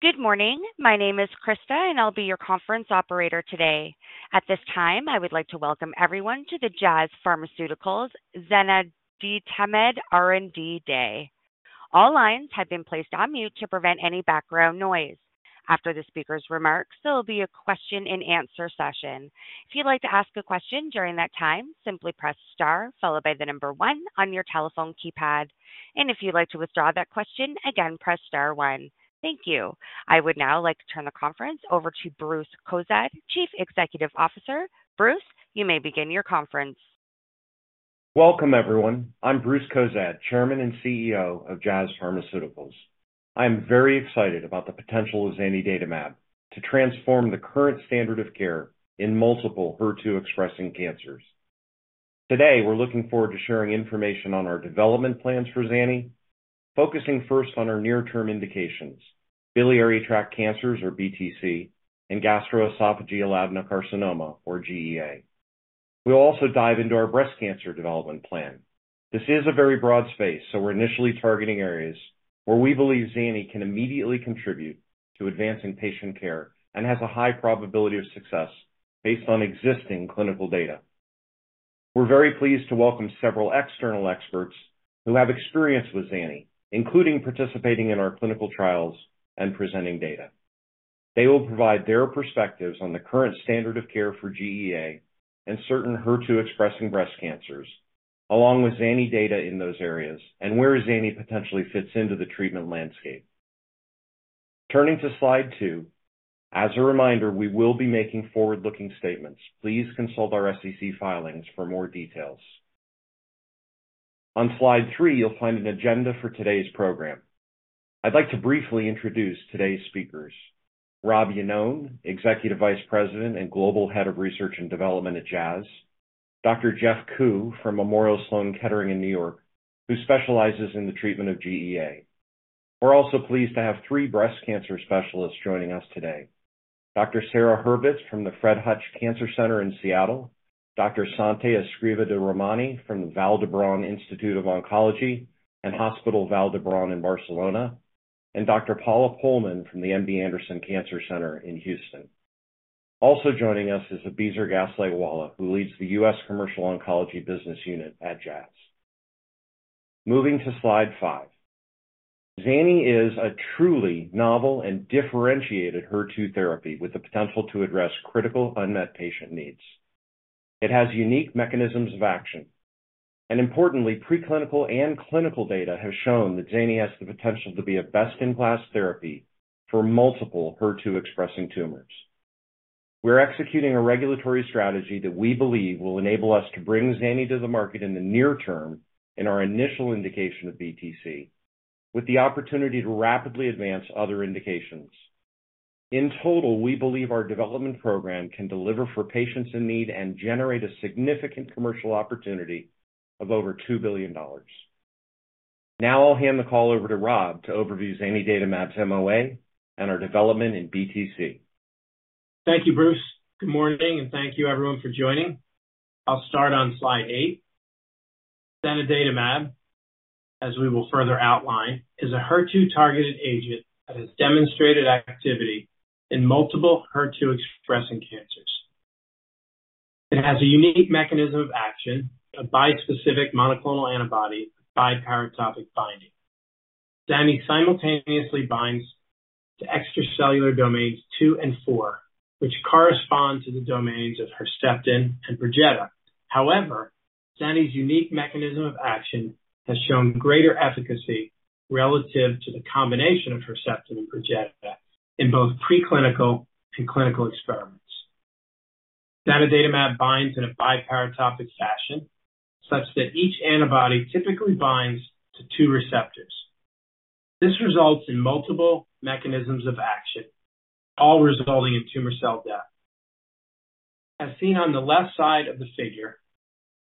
Good morning, my name is Krista and I'll be your conference operator today. At this time I would like to welcome everyone to the Jazz Pharmaceuticals Zanidatamab R&D Day. All lines have been placed on mute to prevent any background noise. After the speaker's remarks there will be a question and answer session. If you'd like to ask a question during that time simply press star followed by the number 1 on your telephone keypad, and if you'd like to withdraw that question again press star 1. Thank you. I would now like to turn the conference over to Bruce Cozadd, Chief Executive Officer. Bruce, you may begin your conference. Welcome everyone. I'm Bruce Cozadd, Chairman and CEO of Jazz Pharmaceuticals. I am very excited about the potential of zanidatamab to transform the current standard of care in multiple HER2-expressing cancers. Today we're looking forward to sharing information on our development plans for zanidatamab, focusing first on our near-term indications: biliary tract cancers, or BTC, and gastroesophageal adenocarcinoma, or GEA. We'll also dive into our breast cancer development plan. This is a very broad space so we're initially targeting areas where we believe zanidatamab can immediately contribute to advancing patient care and has a high probability of success based on existing clinical data. We're very pleased to welcome several external experts who have experience with zanidatamab, including participating in our clinical trials and presenting data. They will provide their perspectives on the current standard of care for GEA and certain HER2-expressing breast cancers, along with zanidatamab data in those areas and where zanidatamab potentially fits into the treatment landscape. Turning to slide two, as a reminder we will be making forward-looking statements. Please consult our SEC filings for more details. On slide three you'll find an agenda for today's program. I'd like to briefly introduce today's speakers: Rob Iannone, Executive Vice President and Global Head of Research and Development at Jazz; Dr. Geoffrey Ku from Memorial Sloan Kettering Cancer Center in New York, who specializes in the treatment of GEA. We're also pleased to have three breast cancer specialists joining us today: Dr. Sara Hurvitz from the Fred Hutchinson Cancer Center in Seattle; Dr. Santiago Escrivá-de-Romaní from the Vall d'Hebron Institute of Oncology in Barcelona; and Dr. Paula Pohlmann from the MD Anderson Cancer Center in Houston. Also joining us is Abizar Gaslightwala, who leads the U.S. Commercial Oncology Business Unit at Jazz. Moving to slide five. Zanidatamab is a truly novel and differentiated HER2 therapy with the potential to address critical unmet patient needs. It has unique mechanisms of action, and importantly preclinical and clinical data have shown that Zanidatamab has the potential to be a best-in-class therapy for multiple HER2-expressing tumors. We're executing a regulatory strategy that we believe will enable us to bring Zanidatamab to the market in the near term in our initial indication of BTC, with the opportunity to rapidly advance other indications. In total we believe our development program can deliver for patients in need and generate a significant commercial opportunity of over $2 billion. Now I'll hand the call over to Rob to overview Zanidatamab's MOA and our development in BTC. Thank you Bruce. Good morning and thank you everyone for joining. I'll start on slide eight. Zanidatamab, as we will further outline, is a HER2-targeted agent that has demonstrated activity in multiple HER2-expressing cancers. It has a unique mechanism of action, a bispecific monoclonal antibody with biparatopic binding. Zanidatamab simultaneously binds to extracellular domains 2 and 4, which correspond to the domains of Herceptin and Perjeta. However, Zanidatamab's unique mechanism of action has shown greater efficacy relative to the combination of Herceptin and Perjeta in both preclinical and clinical experiments. Zanidatamab binds in a biparatopic fashion such that each antibody typically binds to two receptors. This results in multiple mechanisms of action, all resulting in tumor cell death. As seen on the left side of the figure,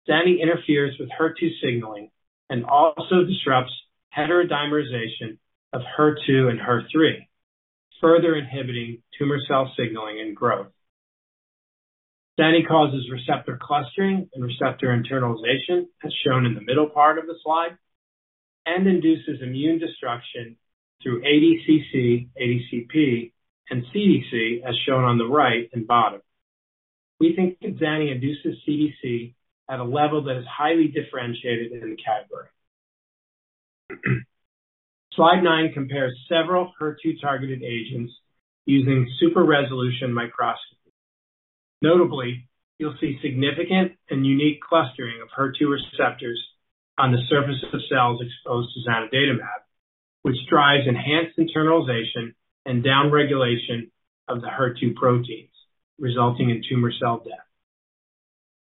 Zanidatamab interferes with HER2 signaling and also disrupts heterodimerization of HER2 and HER3, further inhibiting tumor cell signaling and growth. Zanidatamab causes receptor clustering and receptor internalization, as shown in the middle part of the slide, and induces immune destruction through ADCC, ADCP, and CDC, as shown on the right and bottom. We think that Zanidatamab induces CDC at a level that is highly differentiated in the category. Slide 9 compares several HER2-targeted agents using super-resolution microscopy. Notably, you'll see significant and unique clustering of HER2 receptors on the surface of cells exposed to Zanidatamab, which drives enhanced internalization and downregulation of the HER2 proteins, resulting in tumor cell death.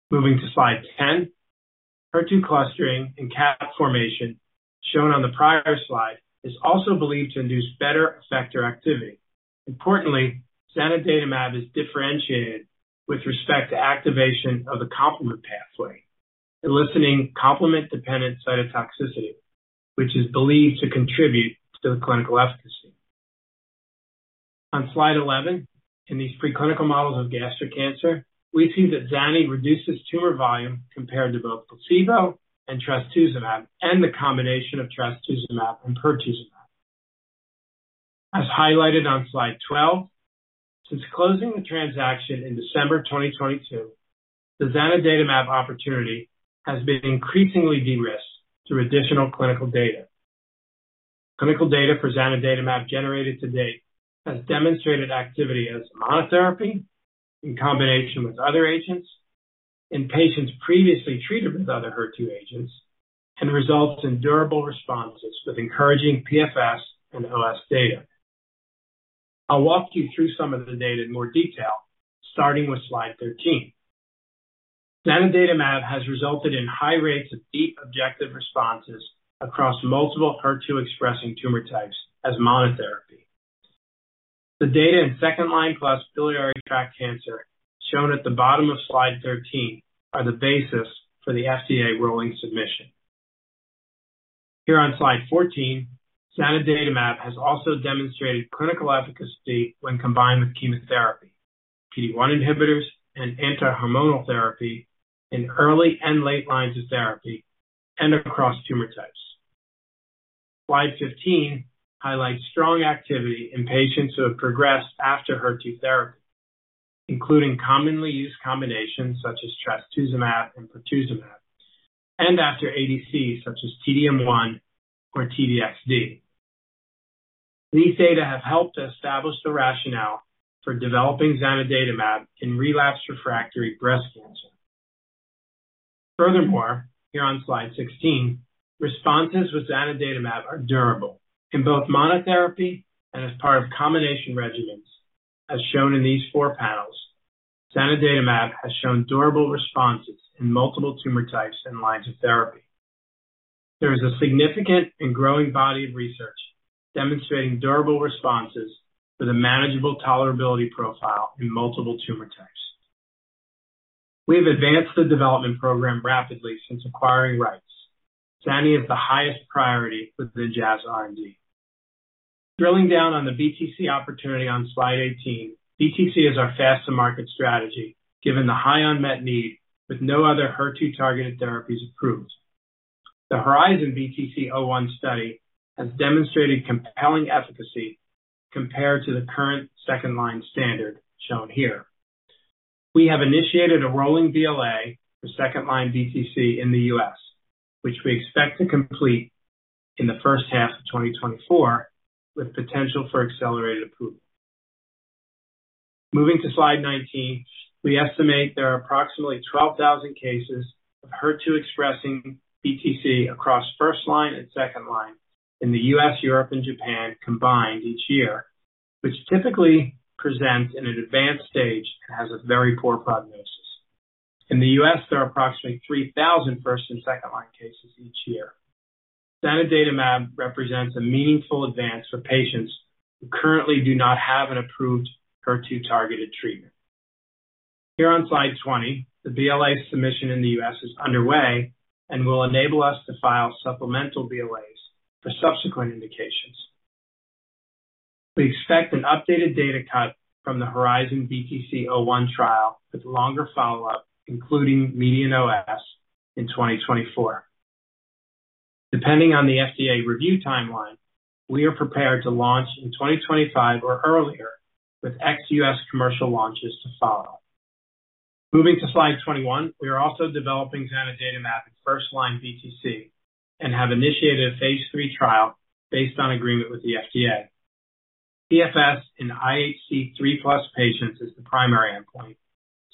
Moving to slide 10. HER2 clustering and cap formation, shown on the prior slide, is also believed to induce better effector activity. Importantly, Zanidatamab is differentiated with respect to activation of the complement pathway, eliciting complement-dependent cytotoxicity, which is believed to contribute to the clinical efficacy. On slide 11, in these preclinical models of gastric cancer, we see that zanidatamab reduces tumor volume compared to both placebo and trastuzumab, and the combination of trastuzumab and pertuzumab. As highlighted on slide 12, since closing the transaction in December 2022, the zanidatamab opportunity has been increasingly de-risked through additional clinical data. Clinical data for zanidatamab generated to date has demonstrated activity as monotherapy in combination with other agents in patients previously treated with other HER2 agents, and results in durable responses with encouraging PFS and OS data. I'll walk you through some of the data in more detail, starting with slide 13. Zanidatamab has resulted in high rates of deep objective responses across multiple HER2-expressing tumor types as monotherapy. The data in second-line plus biliary tract cancer, shown at the bottom of slide 13, are the basis for the FDA rolling submission. Here on slide 14, zanidatamab has also demonstrated clinical efficacy when combined with chemotherapy, PD-1 inhibitors, and antihormonal therapy in early and late lines of therapy and across tumor types. Slide 15 highlights strong activity in patients who have progressed after HER2 therapy, including commonly used combinations such as trastuzumab and pertuzumab, and after ADC such as T-DM1 or T-DXd. These data have helped establish the rationale for developing zanidatamab in relapsed refractory breast cancer. Furthermore, here on slide 16, responses with zanidatamab are durable. In both monotherapy and as part of combination regimens, as shown in these four panels, zanidatamab has shown durable responses in multiple tumor types and lines of therapy. There is a significant and growing body of research demonstrating durable responses with a manageable tolerability profile in multiple tumor types. We have advanced the development program rapidly since acquiring rights. Zanidatamab is the highest priority within Jazz R&D. Drilling down on the BTC opportunity on slide 18, BTC is our fast-to-market strategy given the high unmet need with no other HER2-targeted therapies approved. The HERIZON-BTC-01 study has demonstrated compelling efficacy compared to the current second-line standard, shown here. We have initiated a rolling BLA for second-line BTC in the U.S., which we expect to complete in the first half of 2024 with potential for accelerated approval. Moving to slide 19, we estimate there are approximately 12,000 cases of HER2-expressing BTC across first-line and second-line in the U.S., Europe, and Japan combined each year, which typically presents in an advanced stage and has a very poor prognosis. In the U.S., there are approximately 3,000 first and second-line cases each year. Zanidatamab represents a meaningful advance for patients who currently do not have an approved HER2-targeted treatment. Here on slide 20, the BLA submission in the U.S. is underway and will enable us to file supplemental BLAs for subsequent indications. We expect an updated data cut from the HERIZON-BTC-01 trial with longer follow-up, including median OS, in 2024. Depending on the FDA review timeline, we are prepared to launch in 2025 or earlier with ex-U.S. commercial launches to follow. Moving to slide 21, we are also developing zanidatamab in first-line BTC and have initiated a Phase III trial based on agreement with the FDA. PFS in IHC 3+ patients is the primary endpoint.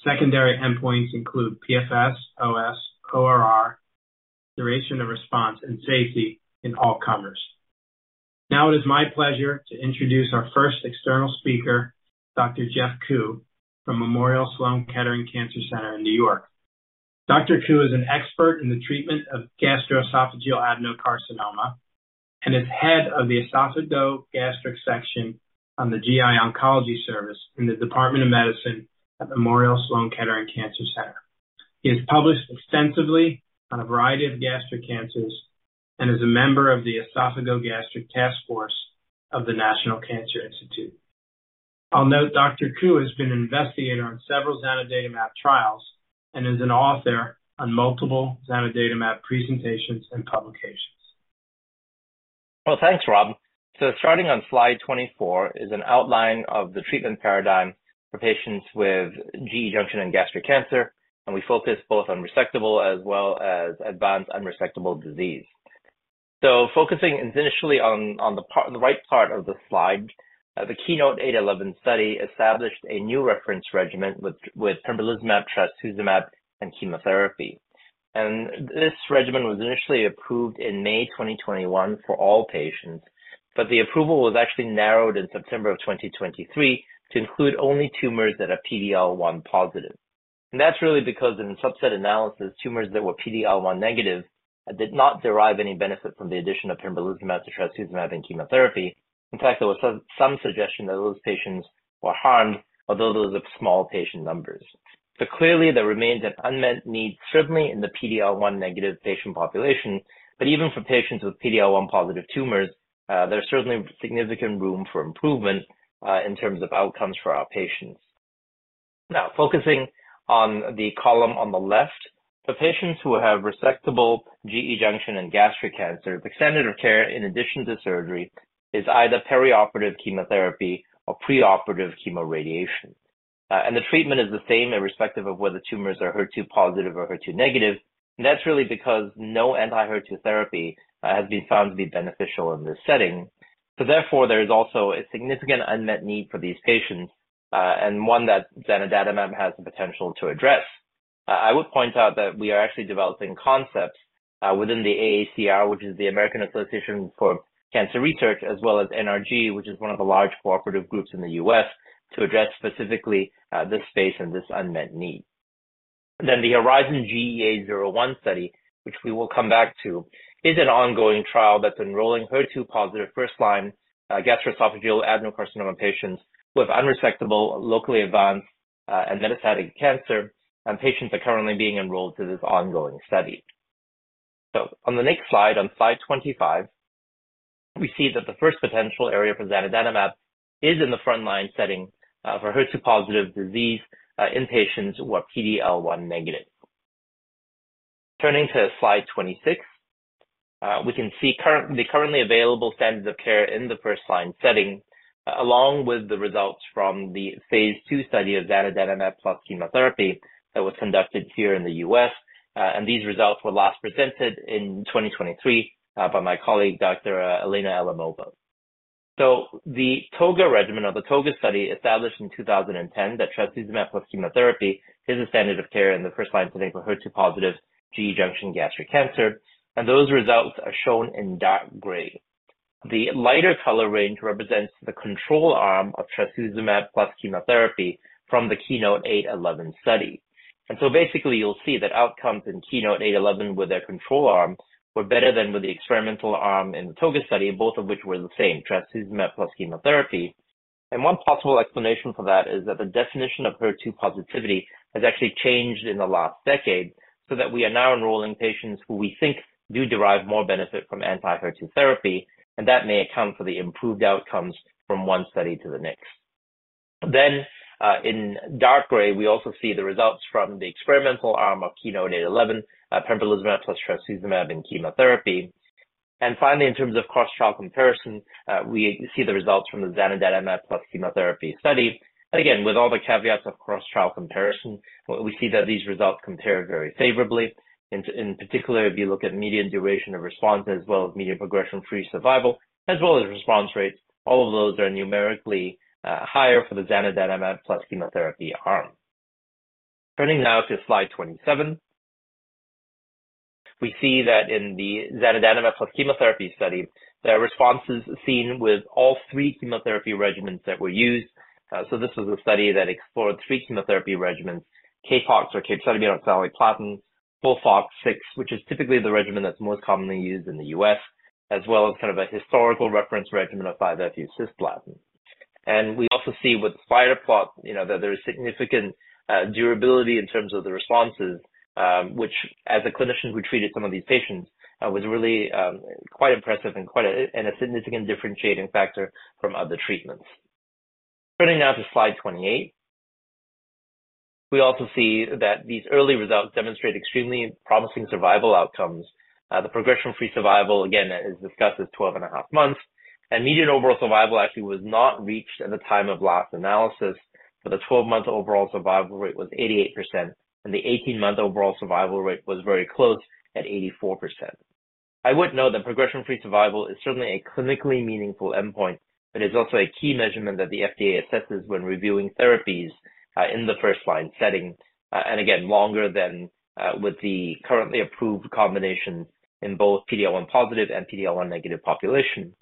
Secondary endpoints include PFS, OS, ORR, duration of response, and safety in all comers. Now it is my pleasure to introduce our first external speaker, Dr. Geoffrey Ku from Memorial Sloan Kettering Cancer Center in New York. Dr. Ku is an expert in the treatment of gastroesophageal adenocarcinoma and is head of the esophageal gastric section on the GI oncology service in the Department of Medicine at Memorial Sloan Kettering Cancer Center. He has published extensively on a variety of gastric cancers and is a member of the esophagogastric task force of the National Cancer Institute. I'll note Dr. Ku has been an investigator on several Zanidatamab trials and is an author on multiple Zanidatamab presentations and publications. Well, thanks, Rob. So starting on slide 24 is an outline of the treatment paradigm for patients with GE junction and gastric cancer, and we focus both on resectable as well as advanced unresectable disease. So focusing initially on the right part of the slide, the KEYNOTE-811 study established a new reference regimen with pembrolizumab, trastuzumab, and chemotherapy. And this regimen was initially approved in May 2021 for all patients, but the approval was actually narrowed in September of 2023 to include only tumors that are PD-L1 positive. And that's really because in subset analysis, tumors that were PD-L1 negative did not derive any benefit from the addition of pembrolizumab to trastuzumab and chemotherapy. In fact, there was some suggestion that those patients were harmed, although those are small patient numbers. So clearly there remains an unmet need certainly in the PD-L1 negative patient population, but even for patients with PD-L1 positive tumors, there's certainly significant room for improvement in terms of outcomes for our patients. Now, focusing on the column on the left, for patients who have resectable GE junction and gastric cancer, the standard of care in addition to surgery is either perioperative chemotherapy or preoperative chemoradiation. The treatment is the same irrespective of whether tumors are HER2 positive or HER2 negative, and that's really because no anti-HER2 therapy has been found to be beneficial in this setting. Therefore there is also a significant unmet need for these patients, and one that zanidatamab has the potential to address. I would point out that we are actually developing concepts within the AACR, which is the American Association for Cancer Research, as well as NRG, which is one of the large cooperative groups in the U.S., to address specifically this space and this unmet need. The HERIZON-GEA-01 study, which we will come back to, is an ongoing trial that's enrolling HER2 positive first-line gastroesophageal adenocarcinoma patients with unresectable, locally advanced, and metastatic cancer, and patients are currently being enrolled to this ongoing study. On the next slide, on slide 25, we see that the first potential area for zanidatamab is in the front-line setting for HER2 positive disease in patients who are PD-L1 negative. Turning to slide 26, we can see the currently available standards of care in the first-line setting, along with the results from the Phase II study of Zanidatamab plus chemotherapy that was conducted here in the U.S., and these results were last presented in 2023 by my colleague, Dr. Yelena Janjigian. So the TOGA regimen or the TOGA study established in 2010 that trastuzumab plus chemotherapy is a standard of care in the first-line setting for HER2-positive GE junction gastric cancer, and those results are shown in dark gray. The lighter color range represents the control arm of trastuzumab plus chemotherapy from the KEYNOTE-811 study. And so basically you'll see that outcomes in KEYNOTE-811 with their control arm were better than with the experimental arm in the TOGA study, both of which were the same, trastuzumab plus chemotherapy. One possible explanation for that is that the definition of HER2 positivity has actually changed in the last decade so that we are now enrolling patients who we think do derive more benefit from anti-HER2 therapy, and that may account for the improved outcomes from one study to the next. Then in dark gray, we also see the results from the experimental arm of KEYNOTE-811, pembrolizumab plus trastuzumab, and chemotherapy. Finally, in terms of cross-trial comparison, we see the results from the zanidatamab plus chemotherapy study. Again, with all the caveats of cross-trial comparison, we see that these results compare very favorably. In particular, if you look at median duration of response as well as median progression-free survival, as well as response rates, all of those are numerically higher for the zanidatamab plus chemotherapy arm. Turning now to slide 27, we see that in the zanidatamab plus chemotherapy study, there are responses seen with all three chemotherapy regimens that were used. So this was a study that explored three chemotherapy regimens: CAPOX or capecitabine oxaliplatin, FOLFOX6, which is typically the regimen that's most commonly used in the U.S., as well as kind of a historical reference regimen of 5-FU cisplatin. And we also see with the spider plot that there is significant durability in terms of the responses, which as a clinician who treated some of these patients, was really quite impressive and a significant differentiating factor from other treatments. Turning now to slide 28, we also see that these early results demonstrate extremely promising survival outcomes. The progression-free survival, again, as discussed, is 12.5 months, and median overall survival actually was not reached at the time of last analysis. For the 12-month overall survival rate, it was 88%, and the 18-month overall survival rate was very close at 84%. I would note that progression-free survival is certainly a clinically meaningful endpoint, but it is also a key measurement that the FDA assesses when reviewing therapies in the first-line setting, and again, longer than with the currently approved combinations in both PD-L1 positive and PD-L1 negative population.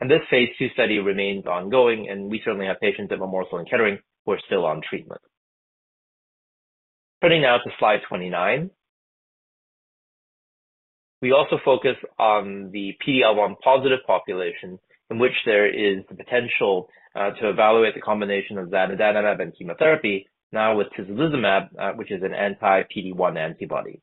This Phase II study remains ongoing, and we certainly have patients at Memorial Sloan Kettering who are still on treatment. Turning now to slide 29, we also focus on the PD-L1 positive population in which there is the potential to evaluate the combination of zanidatamab and chemotherapy, now with tislelizumab, which is an anti-PD-1 antibody.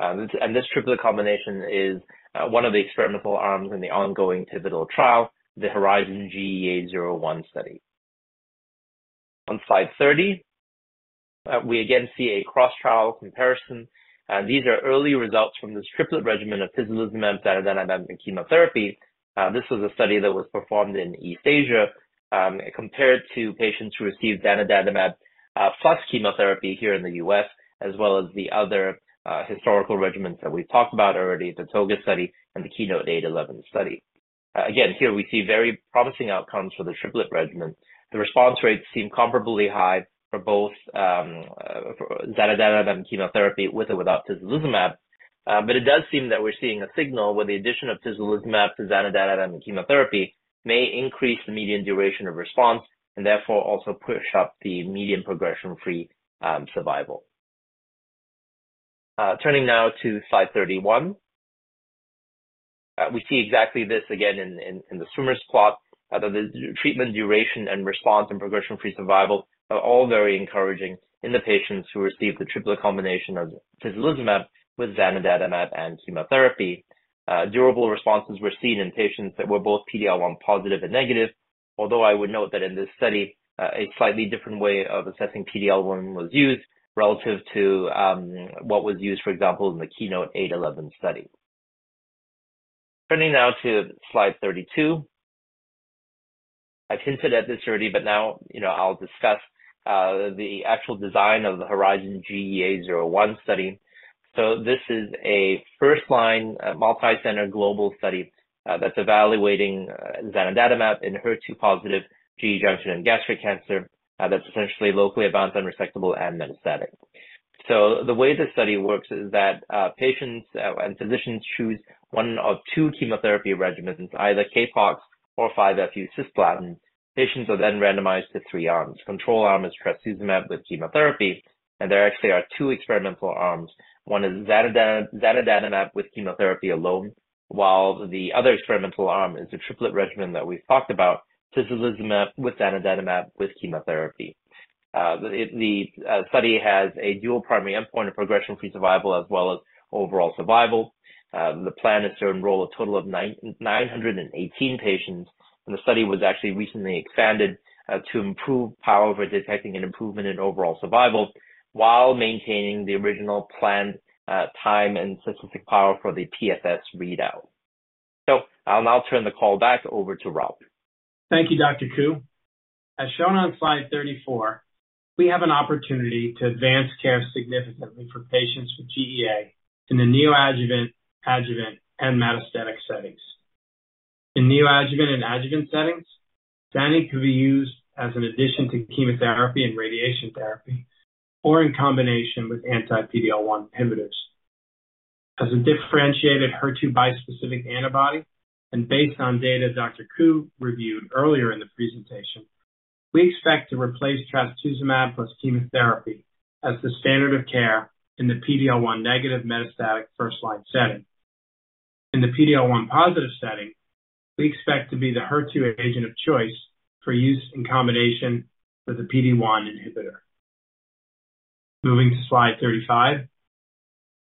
This triple combination is one of the experimental arms in the ongoing pivotal trial, the HERIZON-GEA-01 study. On slide 30, we again see a cross-trial comparison. These are early results from this triplet regimen of tislelizumab, zanidatamab, and chemotherapy. This was a study that was performed in East Asia compared to patients who received zanidatamab plus chemotherapy here in the U.S., as well as the other historical regimens that we've talked about already, the ToGA study and the KEYNOTE-811 study. Again, here we see very promising outcomes for the triplet regimen. The response rates seem comparably high for both zanidatamab and chemotherapy with or without tislelizumab, but it does seem that we're seeing a signal where the addition of tislelizumab to zanidatamab and chemotherapy may increase the median duration of response and therefore also push up the median progression-free survival. Turning now to slide 31, we see exactly this again in the swimmers plot, that the treatment duration and response and progression-free survival are all very encouraging in the patients who received the triple combination of Tislelizumab with zanidatamab and chemotherapy. Durable responses were seen in patients that were both PD-L1 positive and negative, although I would note that in this study, a slightly different way of assessing PD-L1 was used relative to what was used, for example, in the KEYNOTE-811 study. Turning now to slide 32, I've hinted at this already, but now I'll discuss the actual design of the HERIZON-GEA-01 study. So this is a first-line multi-center global study that's evaluating zanidatamab in HER2 positive GE junction and gastric cancer that's essentially locally advanced, unresectable, and metastatic. So the way the study works is that patients and physicians choose one of two chemotherapy regimens, either CAPOX or 5-FU cisplatin. Patients are then randomized to three arms. Control arm is trastuzumab with chemotherapy, and there actually are two experimental arms. One is zanidatamab with chemotherapy alone, while the other experimental arm is the triplet regimen that we've talked about, tislelizumab with zanidatamab with chemotherapy. The study has a dual primary endpoint of progression-free survival as well as overall survival. The plan is to enroll a total of 918 patients, and the study was actually recently expanded to improve power for detecting an improvement in overall survival while maintaining the original planned time and statistical power for the PFS readout. So I'll now turn the call back over to Rob. Thank you, Dr. Ku. As shown on slide 34, we have an opportunity to advance care significantly for patients with GEA in the neoadjuvant, adjuvant, and metastatic settings. In neoadjuvant and adjuvant settings, zanidatamab could be used as an addition to chemotherapy and radiation therapy or in combination with anti-PD-L1 inhibitors. As a differentiated HER2 bispecific antibody and based on data Dr. Ku reviewed earlier in the presentation, we expect to replace trastuzumab plus chemotherapy as the standard of care in the PD-L1 negative metastatic first-line setting. In the PD-L1 positive setting, we expect to be the HER2 agent of choice for use in combination with a PD-1 inhibitor. Moving to slide 35,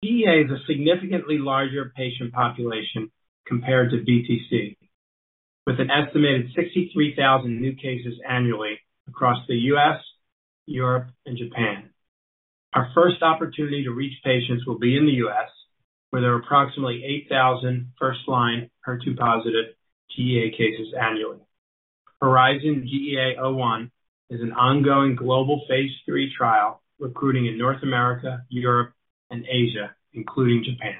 GEA is a significantly larger patient population compared to BTC, with an estimated 63,000 new cases annually across the U.S., Europe, and Japan. Our first opportunity to reach patients will be in the U.S., where there are approximately 8,000 first-line HER2-positive GEA cases annually. HERIZON-GEA-01 is an ongoing global Phase III trial recruiting in North America, Europe, and Asia, including Japan.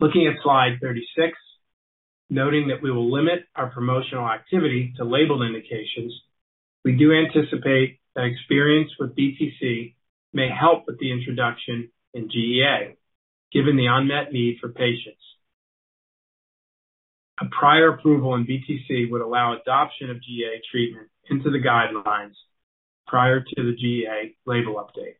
Looking at slide 36, noting that we will limit our promotional activity to labeled indications, we do anticipate that experience with BTC may help with the introduction in GEA, given the unmet need for patients. A prior approval in BTC would allow adoption of GEA treatment into the guidelines prior to the GEA label update.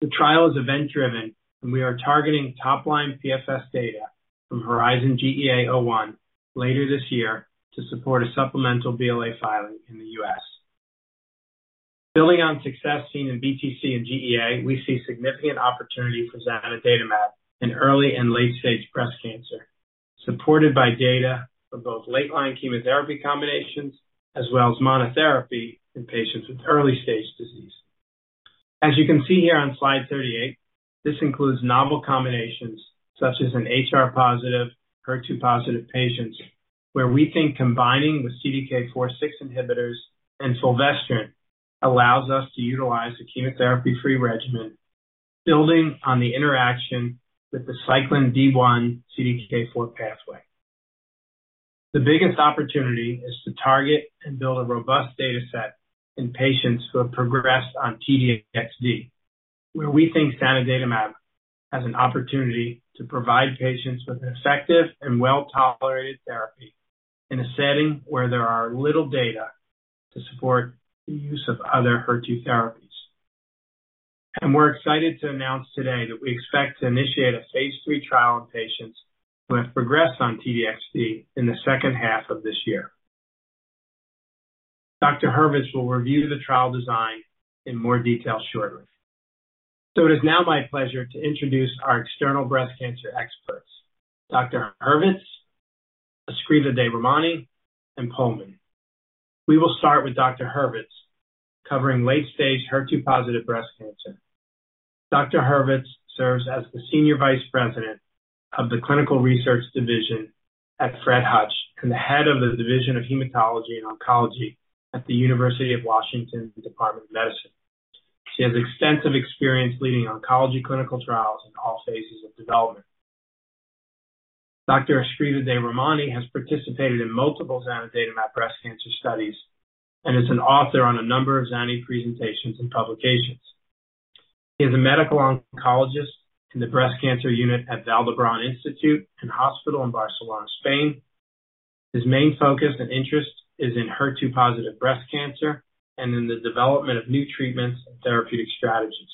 The trial is event-driven, and we are targeting top-line PFS data from HERIZON-GEA-01 later this year to support a supplemental BLA filing in the U.S. Building on success seen in BTC and GEA, we see significant opportunity for zanidatamab in early and late-stage breast cancer, supported by data for both late-line chemotherapy combinations as well as monotherapy in patients with early-stage disease. As you can see here on slide 38, this includes novel combinations such as in HR positive, HER2 positive patients, where we think combining with CDK4/6 inhibitors and fulvestrant allows us to utilize a chemotherapy-free regimen building on the interaction with the cyclin D1 CDK4 pathway. The biggest opportunity is to target and build a robust dataset in patients who have progressed on T-DXd, where we think zanidatamab has an opportunity to provide patients with an effective and well-tolerated therapy in a setting where there are little data to support the use of other HER2 therapies. We're excited to announce today that we expect to initiate a Phase III trial in patients who have progressed on T-DXd in the second half of this year. Dr. Hurvitz will review the trial design in more detail shortly. It is now my pleasure to introduce our external breast cancer experts, Dr. Hurvitz, Escrivá-de-Romaní, and Pohlmann. We will start with Dr. Hurvitz covering late-stage HER2 positive breast cancer. Dr. Hurvitz serves as the senior vice president of the clinical research division at Fred Hutch and the head of the division of hematology and oncology at the University of Washington Department of Medicine. She has extensive experience leading oncology clinical trials in all phases of development. Dr. Escrivá-de-Romaní has participated in multiple zanidatamab breast cancer studies and is an author on a number of zanidatamab presentations and publications. He is a medical oncologist in the breast cancer unit at Vall d'Hebron Institute of Oncology in Barcelona, Spain. His main focus and interest is in HER2-positive breast cancer and in the development of new treatments and therapeutic strategies.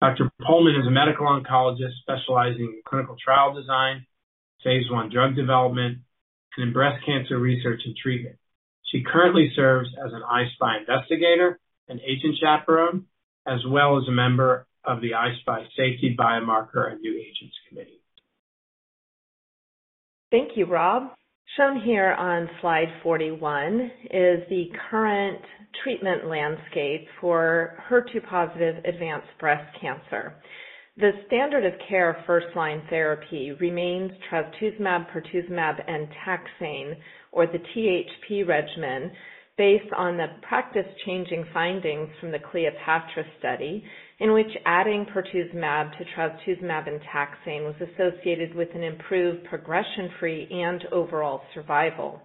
Dr. Pohlmann is a medical oncologist specializing in clinical trial design, Phase I drug development, and in breast cancer research and treatment. She currently serves as an I-SPY investigator and agent chaperone, as well as a member of the I-SPY Safety Biomarker and New Agents Committee. Thank you, Rob. Shown here on slide 41 is the current treatment landscape for HER2-positive advanced breast cancer. The standard of care first-line therapy remains trastuzumab, pertuzumab, and taxane, or the THP regimen, based on the practice-changing findings from the CLEOPATRA study in which adding pertuzumab to trastuzumab and taxane was associated with an improved progression-free and overall survival.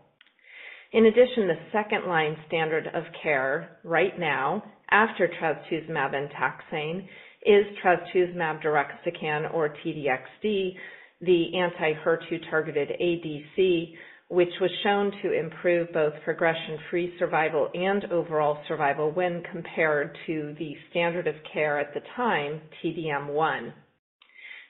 In addition, the second-line standard of care right now, after trastuzumab and taxane, is trastuzumab deruxtecan, or T-DXd, the anti-HER2 targeted ADC, which was shown to improve both progression-free survival and overall survival when compared to the standard of care at the time, T-DM1.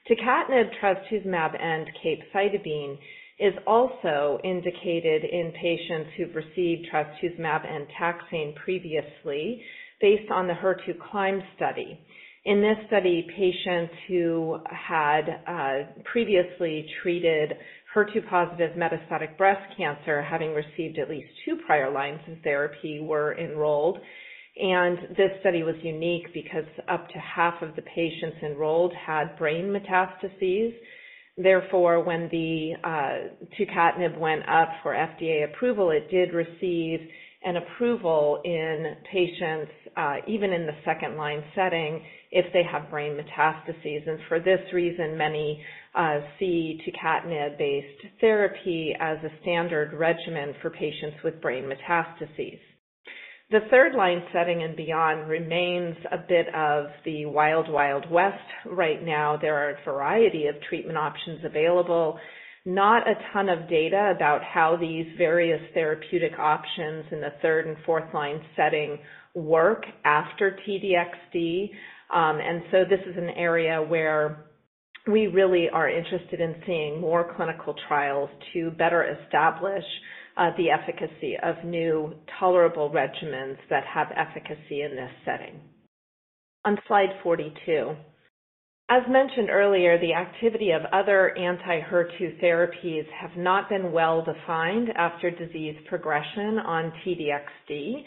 Tucatinib, trastuzumab, and capecitabine is also indicated in patients who've received trastuzumab and taxane previously based on the HER2CLIMB study. In this study, patients who had previously treated HER2-positive metastatic breast cancer, having received at least two prior lines of therapy, were enrolled. This study was unique because up to half of the patients enrolled had brain metastases. Therefore, when the tucatinib went up for FDA approval, it did receive an approval in patients, even in the second-line setting, if they have brain metastases. And for this reason, many see tucatinib-based therapy as a standard regimen for patients with brain metastases. The third-line setting and beyond remains a bit of the wild, wild west. Right now, there are a variety of treatment options available, not a ton of data about how these various therapeutic options in the third and fourth-line setting work after T-DXd. And so this is an area where we really are interested in seeing more clinical trials to better establish the efficacy of new tolerable regimens that have efficacy in this setting. On slide 42, as mentioned earlier, the activity of other anti-HER2 therapies has not been well defined after disease progression on T-DXd.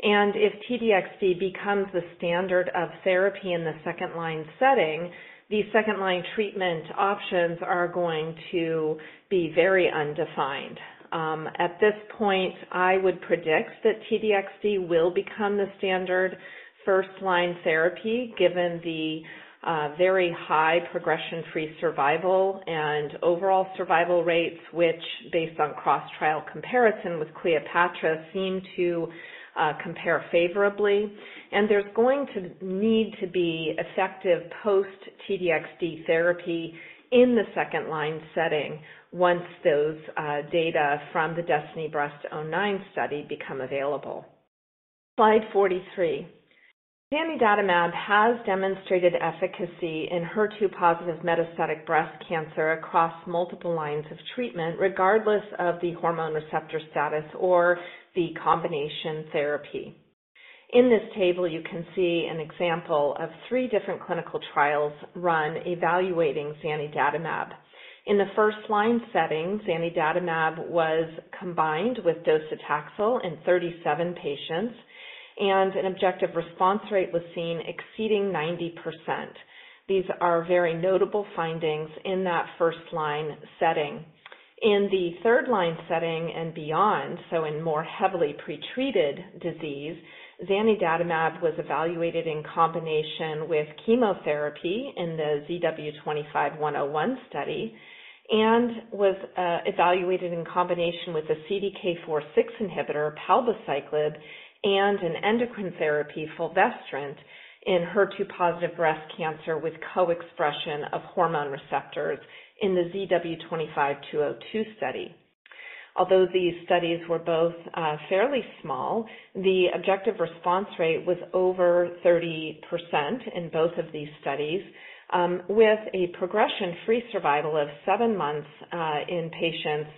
If T-DXd becomes the standard of therapy in the second-line setting, these second-line treatment options are going to be very undefined. At this point, I would predict that T-DXd will become the standard first-line therapy, given the very high progression-free survival and overall survival rates, which, based on cross-trial comparison with CLEOPATRA, seem to compare favorably. There's going to need to be effective post-T-DXd therapy in the second-line setting once those data from the DESTINY-Breast09 study become available. Slide 43, zanidatamab has demonstrated efficacy in HER2-positive metastatic breast cancer across multiple lines of treatment, regardless of the hormone receptor status or the combination therapy. In this table, you can see an example of three different clinical trials run evaluating zanidatamab. In the first-line setting, zanidatamab was combined with docetaxel in 37 patients, and an objective response rate was seen exceeding 90%. These are very notable findings in that first-line setting. In the third-line setting and beyond, so in more heavily pretreated disease, zanidatamab was evaluated in combination with chemotherapy in the ZW25101 study and was evaluated in combination with a CDK4/6 inhibitor, palbociclib, and an endocrine therapy, fulvestrant, in HER2 positive breast cancer with coexpression of hormone receptors in the ZW25202 study. Although these studies were both fairly small, the objective response rate was over 30% in both of these studies, with a progression-free survival of 7 months in patients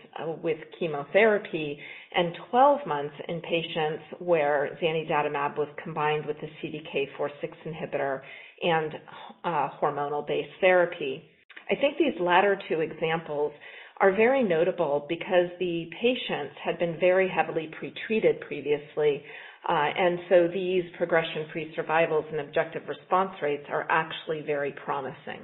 with chemotherapy and 12 months in patients where zanidatamab was combined with the CDK4/6 inhibitor and hormonal-based therapy. I think these latter two examples are very notable because the patients had been very heavily pretreated previously. And so these progression-free survivals and objective response rates are actually very promising.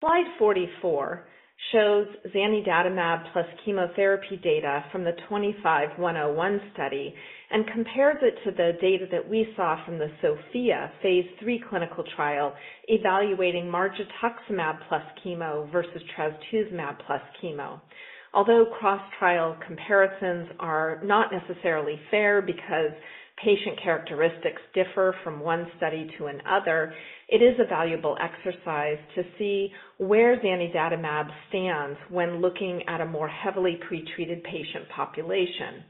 Slide 44 shows zanidatamab plus chemotherapy data from the 25101 study and compares it to the data that we saw from the SOPHIA Phase III clinical trial evaluating margetuximab plus chemo versus trastuzumab plus chemo. Although cross-trial comparisons are not necessarily fair because patient characteristics differ from one study to another, it is a valuable exercise to see where zanidatamab stands when looking at a more heavily pretreated patient population.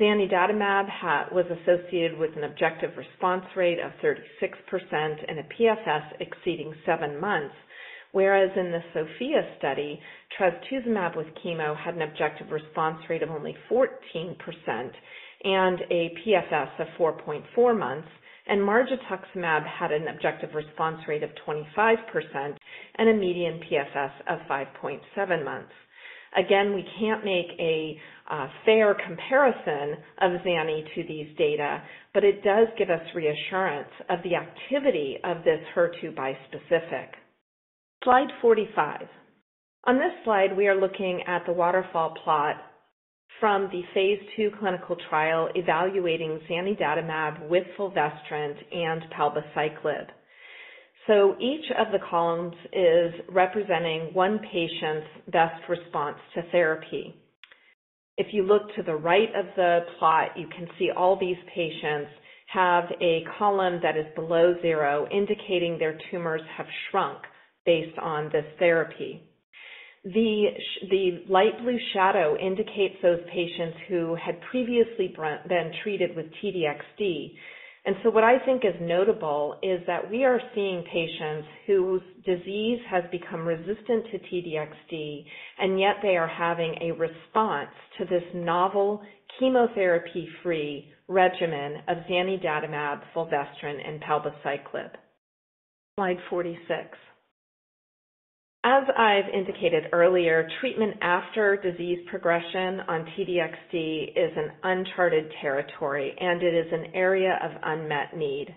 Zanidatamab was associated with an objective response rate of 36% and a PFS exceeding 7 months, whereas in the SOPHIA study, trastuzumab with chemo had an objective response rate of only 14% and a PFS of 4.4 months, and margetuximab had an objective response rate of 25% and a median PFS of 5.7 months. Again, we can't make a fair comparison of zanidatamab to these data, but it does give us reassurance of the activity of this HER2 bispecific. Slide 45, on this slide, we are looking at the waterfall plot from the Phase II clinical trial evaluating zanidatamab with fulvestrant and palbociclib. So each of the columns is representing one patient's best response to therapy. If you look to the right of the plot, you can see all these patients have a column that is below zero indicating their tumors have shrunk based on this therapy. The light blue shadow indicates those patients who had previously been treated with T-DXd. And so what I think is notable is that we are seeing patients whose disease has become resistant to T-DXd, and yet they are having a response to this novel chemotherapy-free regimen of zanidatamab, fulvestrant, and palbociclib. Slide 46, as I've indicated earlier, treatment after disease progression on T-DXd is an uncharted territory, and it is an area of unmet need.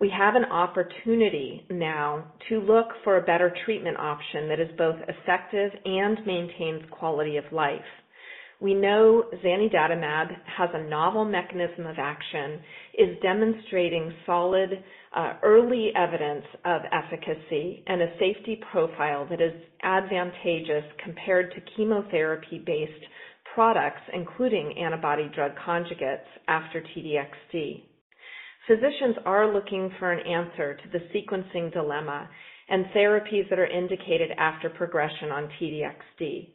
We have an opportunity now to look for a better treatment option that is both effective and maintains quality of life. We know zanidatamab has a novel mechanism of action, is demonstrating solid early evidence of efficacy, and a safety profile that is advantageous compared to chemotherapy-based products, including antibody-drug conjugates after T-DXd. Physicians are looking for an answer to the sequencing dilemma and therapies that are indicated after progression on T-DXd.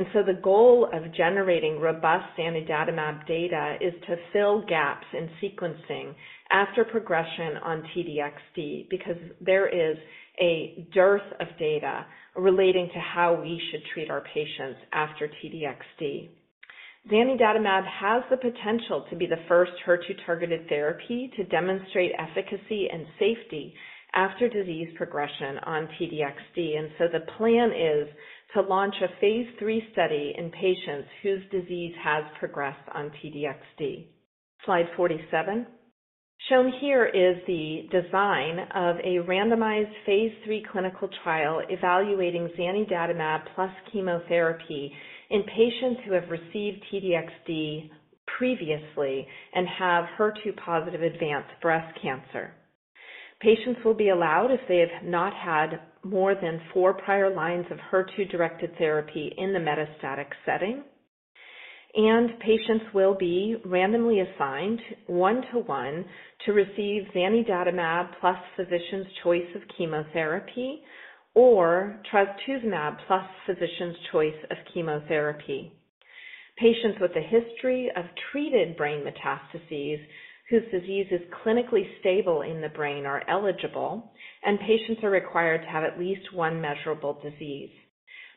And so the goal of generating robust zanidatamab data is to fill gaps in sequencing after progression on T-DXd because there is a dearth of data relating to how we should treat our patients after T-DXd. Zanidatamab has the potential to be the first HER2-targeted therapy to demonstrate efficacy and safety after disease progression on T-DXd. So the plan is to launch a Phase III study in patients whose disease has progressed on T-DXd. Slide 47, shown here is the design of a randomized Phase III clinical trial evaluating zanidatamab plus chemotherapy in patients who have received T-DXd previously and have HER2-positive advanced breast cancer. Patients will be allowed if they have not had more than 4 prior lines of HER2-directed therapy in the metastatic setting. Patients will be randomly assigned 1:1 to receive zanidatamab plus physician's choice of chemotherapy or trastuzumab plus physician's choice of chemotherapy. Patients with a history of treated brain metastases whose disease is clinically stable in the brain are eligible, and patients are required to have at least 1 measurable disease.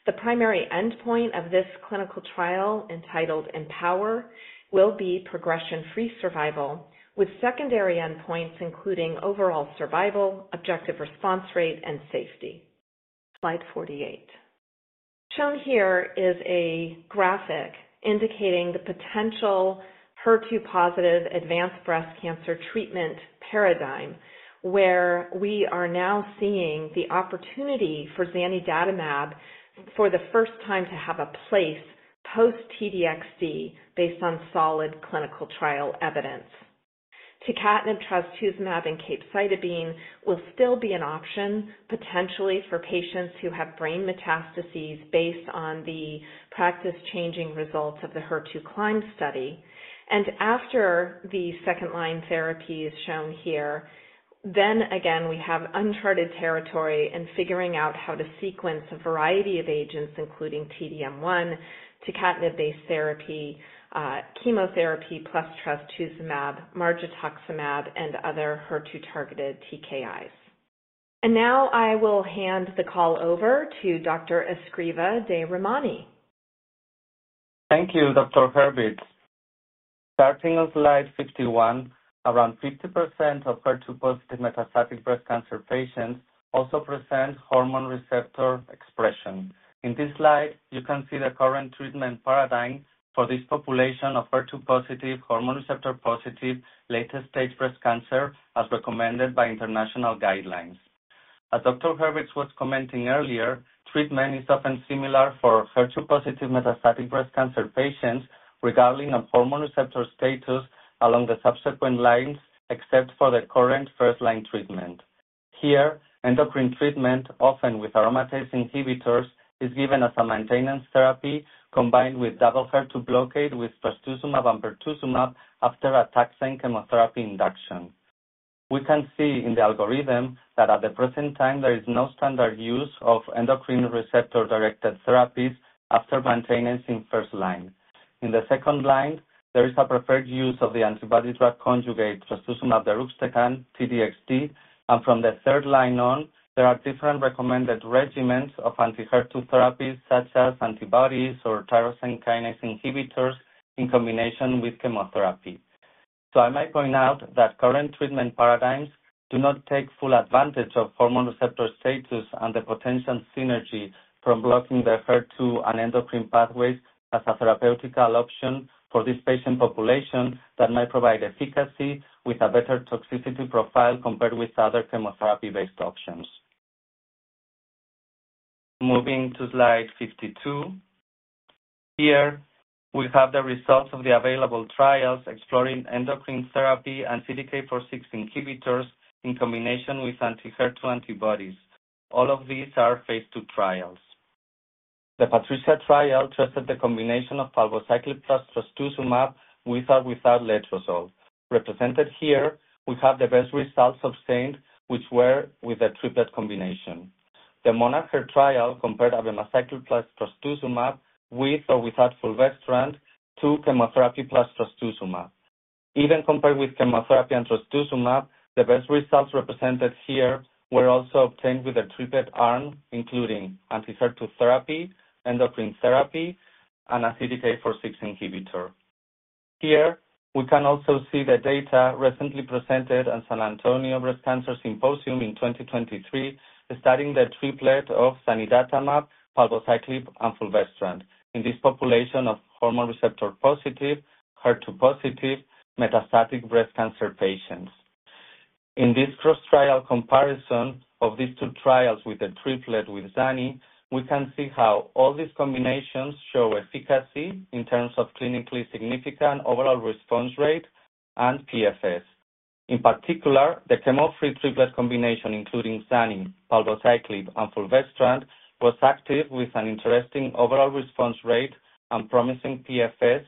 The primary endpoint of this clinical trial entitled EmpowHER will be progression-free survival, with secondary endpoints including overall survival, objective response rate, and safety. Slide 48, shown here, is a graphic indicating the potential HER2-positive advanced breast cancer treatment paradigm, where we are now seeing the opportunity for Zanidatamab for the first time to have a place post-T-DXd based on solid clinical trial evidence. Tucatinib, trastuzumab, and capecitabine will still be an option, potentially, for patients who have brain metastases based on the practice-changing results of the HER2 CLIMB study. And after the second-line therapy is shown here, then again, we have uncharted territory in figuring out how to sequence a variety of agents, including T-DM1, tucatinib-based therapy, chemotherapy plus trastuzumab, Margenza, and other HER2 targeted TKIs. And now I will hand the call over to Dr. Escrivá-de-Romaní. Thank you, Dr. Hurvitz. Starting on slide 51, around 50% of HER2-positive metastatic breast cancer patients also present hormone receptor expression. In this slide, you can see the current treatment paradigm for this population of HER2-positive, hormone receptor-positive, late-stage breast cancer as recommended by international guidelines. As Dr. Hurvitz was commenting earlier, treatment is often similar for HER2-positive metastatic breast cancer patients regarding hormone receptor status along the subsequent lines, except for the current first-line treatment. Here, endocrine treatment, often with aromatase inhibitors, is given as a maintenance therapy combined with double HER2 blockade with trastuzumab and pertuzumab after taxane chemotherapy induction. We can see in the algorithm that at the present time, there is no standard use of endocrine receptor-directed therapies after maintenance in first line. In the second line, there is a preferred use of the antibody-drug conjugate trastuzumab deruxtecan (T-DXd). From the third line on, there are different recommended regimens of anti-HER2 therapies such as antibodies or tyrosine kinase inhibitors in combination with chemotherapy. So I might point out that current treatment paradigms do not take full advantage of hormone receptor status and the potential synergy from blocking the HER2 and endocrine pathways as a therapeutic option for this patient population that might provide efficacy with a better toxicity profile compared with other chemotherapy-based options. Moving to slide 52, here, we have the results of the available trials exploring endocrine therapy and CDK4/6 inhibitors in combination with anti-HER2 antibodies. All of these are Phase II trials. The PATRICIA trial tested the combination of palbociclib plus trastuzumab with or without letrozole. Represented here, we have the best results obtained, which were with a triplet combination. The monarcHER trial compared abemaciclib plus trastuzumab with or without fulvestrant to chemotherapy plus trastuzumab. Even compared with chemotherapy and trastuzumab, the best results represented here were also obtained with a triplet arm, including anti-HER2 therapy, endocrine therapy, and a CDK4/6 inhibitor. Here, we can also see the data recently presented at San Antonio Breast Cancer Symposium in 2023, studying the triplet of zanidatamab, palbociclib, and fulvestrant in this population of hormone receptor positive, HER2 positive, metastatic breast cancer patients. In this cross-trial comparison of these two trials with a triplet with zanidatamab, we can see how all these combinations show efficacy in terms of clinically significant overall response rate and PFS. In particular, the chemo-free triplet combination, including zanidatamab, palbociclib, and fulvestrant, was active with an interesting overall response rate and promising PFS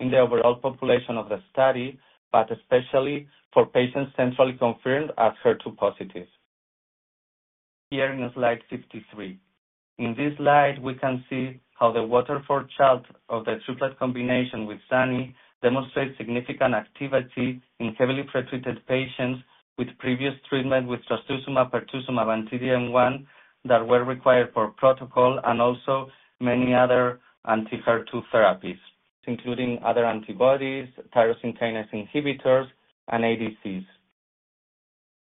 in the overall population of the study, but especially for patients centrally confirmed as HER2 positive. Here in slide 53, in this slide, we can see how the waterfall chart of the triplet combination with zanidatamab demonstrates significant activity in heavily pretreated patients with previous treatment with trastuzumab, pertuzumab, and T-DM1 that were required for protocol and also many other anti-HER2 therapies, including other antibodies, tyrosine kinase inhibitors, and ADCs.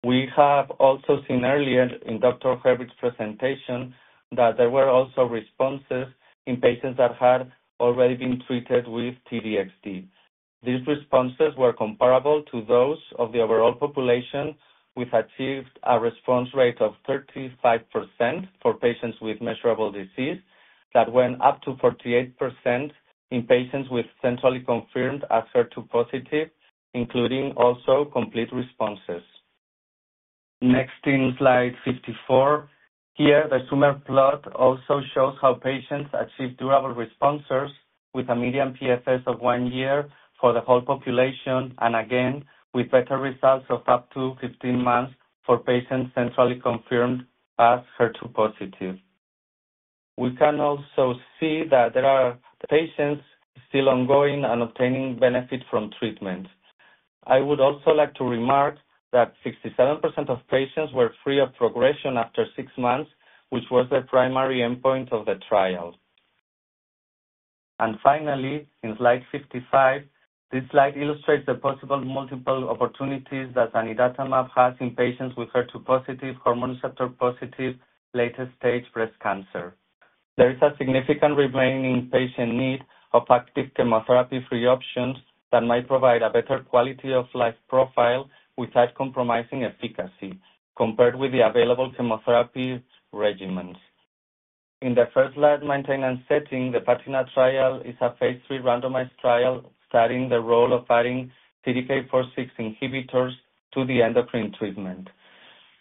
We have also seen earlier in Dr. Hurvitz's presentation that there were also responses in patients that had already been treated with T-DXd. These responses were comparable to those of the overall population, with achieved a response rate of 35% for patients with measurable disease that went up to 48% in patients with centrally confirmed as HER2 positive, including also complete responses. Next in slide 54, here, the Swimmer plot also shows how patients achieved durable responses with a median PFS of one year for the whole population and again with better results of up to 15 months for patients centrally confirmed as HER2 positive. We can also see that there are patients still ongoing and obtaining benefit from treatment. I would also like to remark that 67% of patients were free of progression after six months, which was the primary endpoint of the trial. Finally, in slide 55, this slide illustrates the possible multiple opportunities that zanidatamab has in patients with HER2 positive, hormone receptor positive, late-stage breast cancer. There is a significant remaining patient need of active chemotherapy-free options that might provide a better quality of life profile without compromising efficacy compared with the available chemotherapy regimens. In the first-line maintenance setting, the PATINA trial is a Phase III randomized trial studying the role of adding CDK4/6 inhibitors to the endocrine treatment.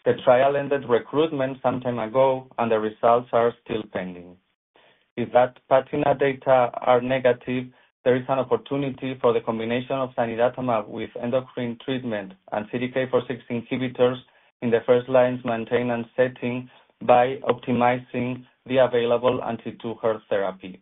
The trial ended recruitment some time ago, and the results are still pending. If that PATINA data are negative, there is an opportunity for the combination of zanidatamab with endocrine treatment and CDK4/6 inhibitors in the first-line maintenance setting by optimizing the available anti-HER2 therapy.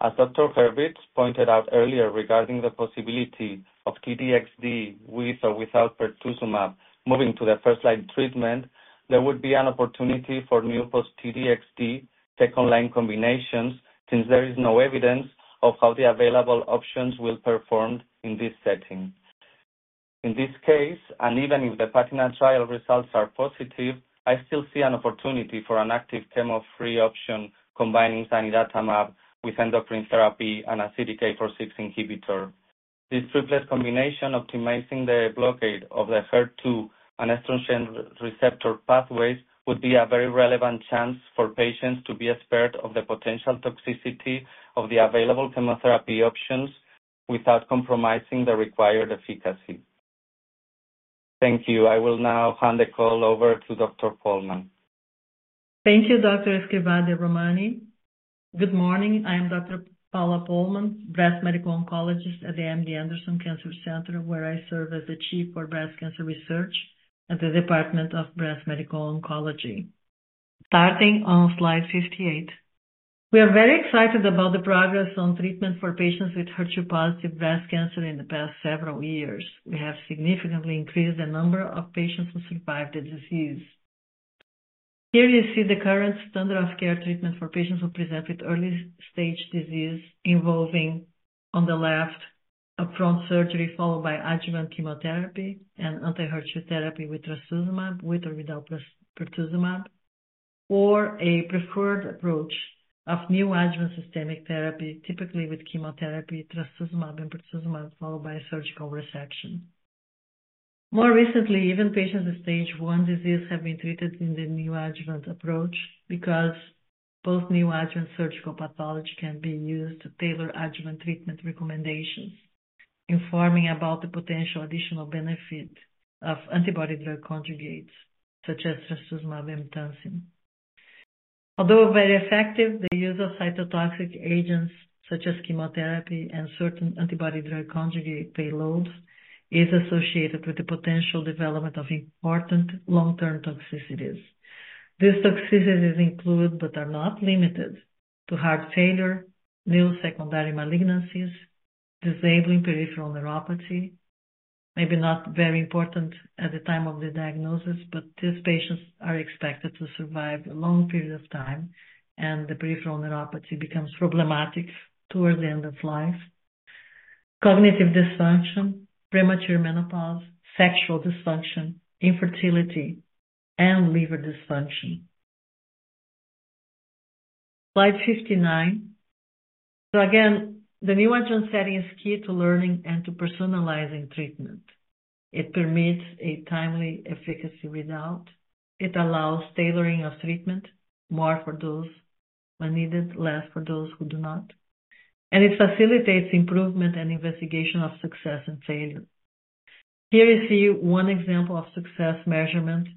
As Dr. Hurvitz pointed out earlier regarding the possibility of T-DXd with or without pertuzumab moving to the first-line treatment, there would be an opportunity for new post-T-DXd second-line combinations since there is no evidence of how the available options will perform in this setting. In this case, and even if the PATINA trial results are positive, I still see an opportunity for an active chemo-free option combining zanidatamab with endocrine therapy and a CDK4/6 inhibitor. This triplet combination optimizing the blockade of the HER2 and estrogen receptor pathways would be a very relevant chance for patients to be spared of the potential toxicity of the available chemotherapy options without compromising the required efficacy. Thank you. I will now hand the call over to Dr. Pohlmann. Thank you, Dr. Escrivá-de-Romaní. Good morning. I am Dr. Paula Pohlmann, breast medical oncologist at the MD Anderson Cancer Center, where I serve as the chief for breast cancer research at the Department of Breast Medical Oncology. Starting on slide 58, we are very excited about the progress on treatment for patients with HER2-positive breast cancer in the past several years. We have significantly increased the number of patients who survived the disease. Here you see the current standard of care treatment for patients who present with early-stage disease involving, on the left, upfront surgery followed by adjuvant chemotherapy and anti-HER2 therapy with trastuzumab with or without pertuzumab, or a preferred approach of neoadjuvant systemic therapy, typically with chemotherapy, trastuzumab, and pertuzumab followed by surgical resection. More recently, even patients with stage I disease have been treated in the neoadjuvant approach because both neoadjuvant surgical pathology can be used to tailor adjuvant treatment recommendations, informing about the potential additional benefit of antibody-drug conjugates such as trastuzumab and T-DM1. Although very effective, the use of cytotoxic agents such as chemotherapy and certain antibody-drug conjugate payloads is associated with the potential development of important long-term toxicities. These toxicities include but are not limited to heart failure, new secondary malignancies, disabling peripheral neuropathy, maybe not very important at the time of the diagnosis, but these patients are expected to survive a long period of time, and the peripheral neuropathy becomes problematic towards the end of life, cognitive dysfunction, premature menopause, sexual dysfunction, infertility, and liver dysfunction. Slide 59. Again, the neoadjuvant setting is key to learning and to personalizing treatment. It permits a timely efficacy readout. It allows tailoring of treatment, more for those when needed, less for those who do not. It facilitates improvement and investigation of success and failure. Here you see one example of success measurement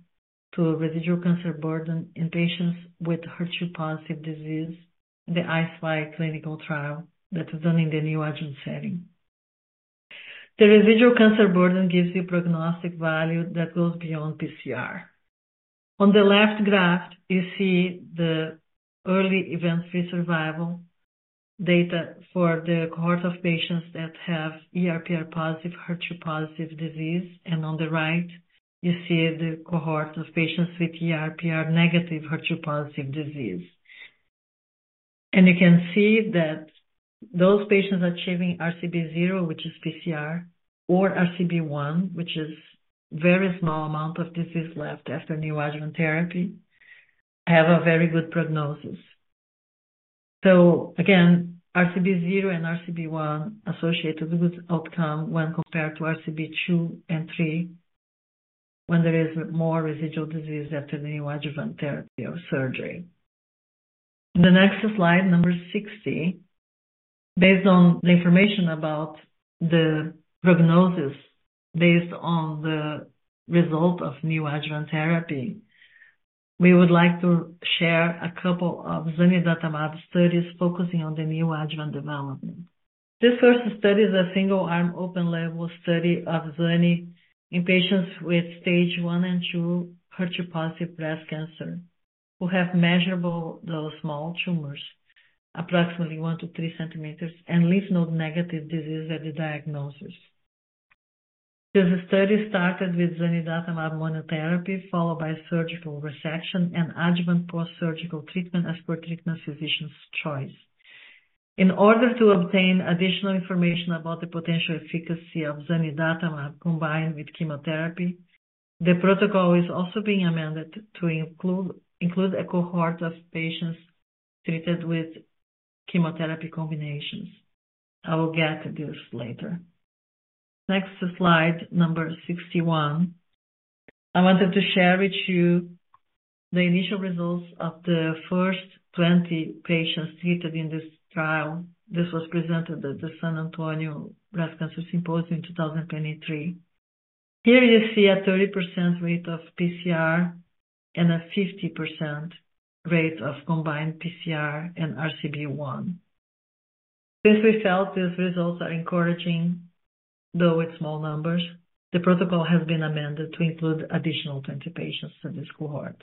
to residual cancer burden in patients with HER2-positive disease, the I-SPY clinical trial that was done in the neoadjuvant setting. The residual cancer burden gives you prognostic value that goes beyond pCR. On the left graph, you see the early event-free survival data for the cohort of patients that have ER/PR positive, HER2 positive disease, and on the right, you see the cohort of patients with ER/PR negative, HER2 positive disease. You can see that those patients achieving RCB0, which is pCR, or RCB1, which is a very small amount of disease left after neoadjuvant therapy, have a very good prognosis. So again, RCB0 and RCB1 associated with outcome when compared to RCB2 and 3 when there is more residual disease after the neoadjuvant therapy or surgery. In the next slide, number 60, based on the information about the prognosis based on the result of neoadjuvant therapy, we would like to share a couple of zanidatamab studies focusing on the neoadjuvant development. This first study is a single-arm, open-label study of zanidatamab in patients with stage I and II HER2-positive breast cancer who have measurable, though small, tumors, approximately 1-3 centimeters, and lymph-node-negative disease at diagnosis. This study started with zanidatamab monotherapy followed by surgical resection and adjuvant post-surgical treatment as per treating physician's choice. In order to obtain additional information about the potential efficacy of zanidatamab combined with chemotherapy, the protocol is also being amended to include a cohort of patients treated with chemotherapy combinations. I will get to this later. Next slide, number 61. I wanted to share with you the initial results of the first 20 patients treated in this trial. This was presented at the San Antonio Breast Cancer Symposium in 2023. Here you see a 30% rate of PCR and a 50% rate of combined PCR and RCB1. Since we felt these results are encouraging, though with small numbers, the protocol has been amended to include additional 20 patients to this cohort.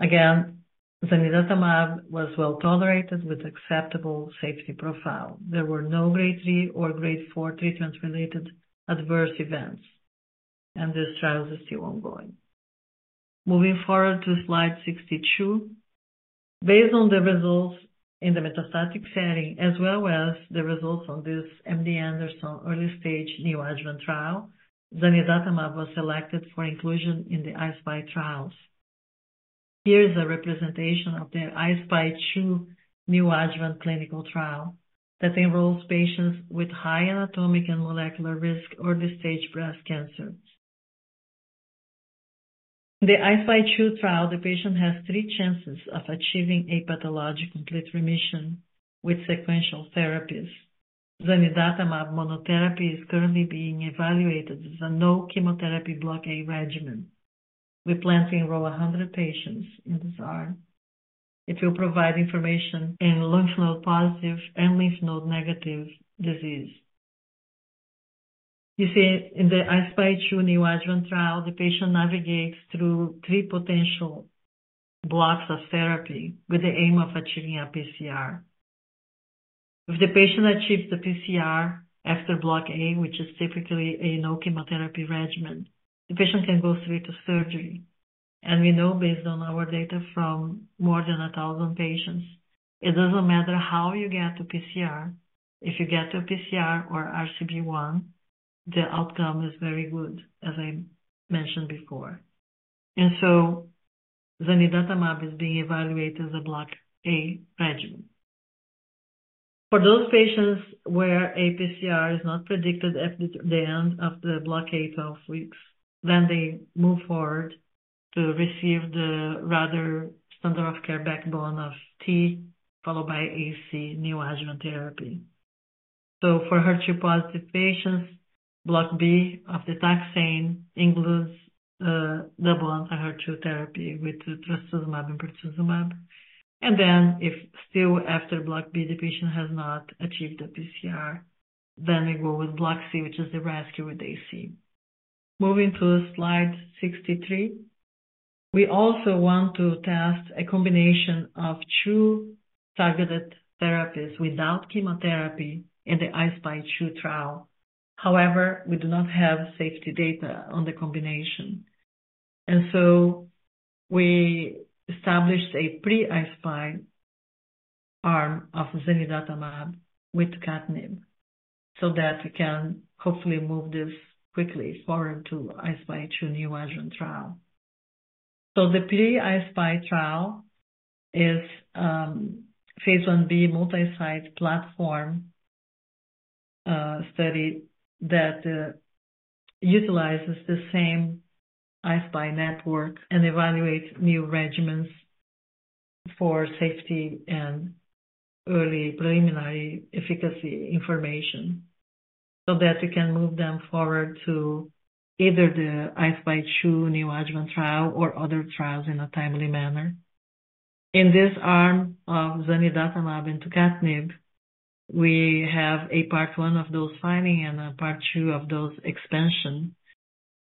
Again, zanidatamab was well tolerated with acceptable safety profile. There were no grade III or grade IV treatment-related adverse events, and this trial is still ongoing. Moving forward to slide 62, based on the results in the metastatic setting as well as the results on this MD Anderson early-stage neoadjuvant trial, zanidatamab was selected for inclusion in the I-SPY trials. Here is a representation of the I-SPY II neoadjuvant clinical trial that enrolls patients with high anatomic and molecular risk early-stage breast cancer. In the I-SPY II trial, the patient has three chances of achieving a pathologic complete remission with sequential therapies. Zanidatamab monotherapy is currently being evaluated as a no-chemotherapy blockade regimen. We plan to enroll 100 patients in this arm. It will provide information. In lymph node positive and lymph node negative disease, you see in the I-SPY 2 neoadjuvant trial, the patient navigates through three potential blocks of therapy with the aim of achieving a pCR. If the patient achieves the pCR after Block A, which is typically a no-chemotherapy regimen, the patient can go straight to surgery. And we know, based on our data from more than 1,000 patients, it doesn't matter how you get to pCR. If you get to a pCR or RCB1, the outcome is very good, as I mentioned before. And so Zanidatamab is being evaluated as a Block A regimen. For those patients where a pCR is not predicted at the end of the Block A 12 weeks, then they move forward to receive the rather standard of care backbone of T followed by AC neoadjuvant therapy. For HER2-positive patients, blockade B of the taxane includes double anti-HER2 therapy with trastuzumab and pertuzumab. And then if still after blockade B the patient has not achieved the pCR, then we go with blockade C, which is the rescue with AC. Moving to slide 63, we also want to test a combination of two targeted therapies without chemotherapy in the I-SPY 2 trial. However, we do not have safety data on the combination. And so we established a pre-I-SPY arm of zanidatamab with CDK4/6 so that we can hopefully move this quickly forward to I-SPY 2 neoadjuvant trial. The pre-I-SPY trial is a Phase Ib multi-site platform study that utilizes the same I-SPY network. Evaluate new regimens for safety and early preliminary efficacy information so that we can move them forward to either the I-SPY 2 neoadjuvant trial or other trials in a timely manner. In this arm of zanidatamab and tucatinib, we have a Part 1 of those findings and a Part 2 of those expansion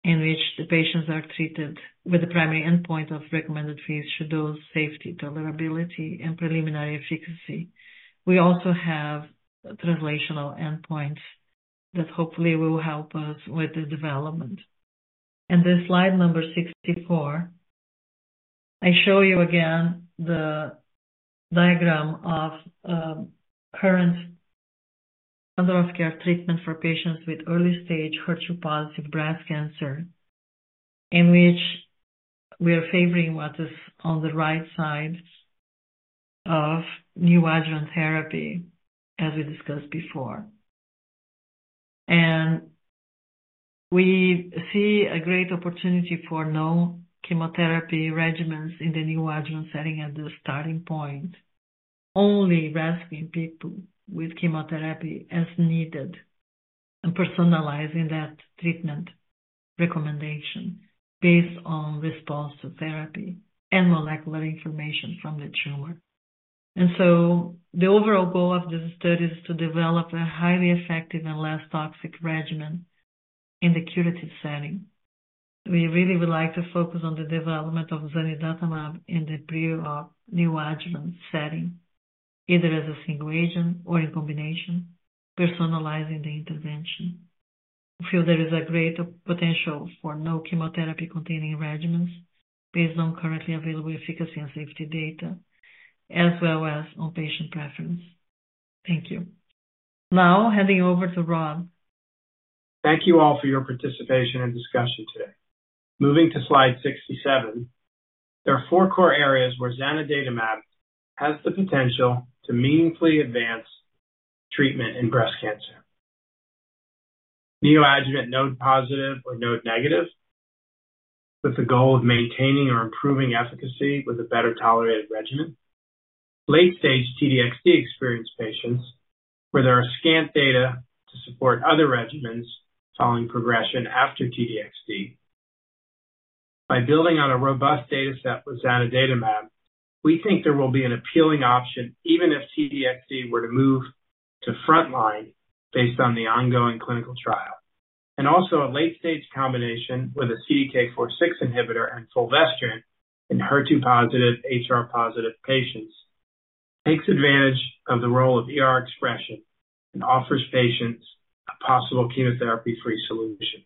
in which the patients are treated with the primary endpoint of recommended Phase II dose safety, tolerability, and preliminary efficacy. We also have translational endpoints that hopefully will help us with the development. In this slide number 64, I show you again the diagram of current standard of care treatment for patients with early-stage HER2-positive breast cancer in which we are favoring what is on the right side of neoadjuvant therapy, as we discussed before. And we see a great opportunity for no-chemotherapy regimens in the neoadjuvant setting at the starting point, only rescuing people with chemotherapy as needed and personalizing that treatment recommendation based on response to therapy and molecular information from the tumor. And so the overall goal of this study is to develop a highly effective and less toxic regimen in the curative setting. We really would like to focus on the development of Zanidatamab in the pre-op neoadjuvant setting, either as a single agent or in combination, personalizing the intervention. We feel there is a great potential for no-chemotherapy containing regimens based on currently available efficacy and safety data, as well as on patient preference. Thank you. Now, heading over to Rob. Thank you all for your participation and discussion today. Moving to slide 67, there are four core areas where zanidatamab has the potential to meaningfully advance treatment in breast cancer: neoadjuvant node positive or node negative, with the goal of maintaining or improving efficacy with a better tolerated regimen. Late-stage T-DXd experienced patients, where there are scant data to support other regimens following progression after T-DXd. By building on a robust dataset with zanidatamab, we think there will be an appealing option even if T-DXd were to move to frontline based on the ongoing clinical trial. A late-stage combination with a CDK4/6 inhibitor and fulvestrant in HER2 positive, HR positive patients takes advantage of the role of expression and offers patients a possible chemotherapy-free solution.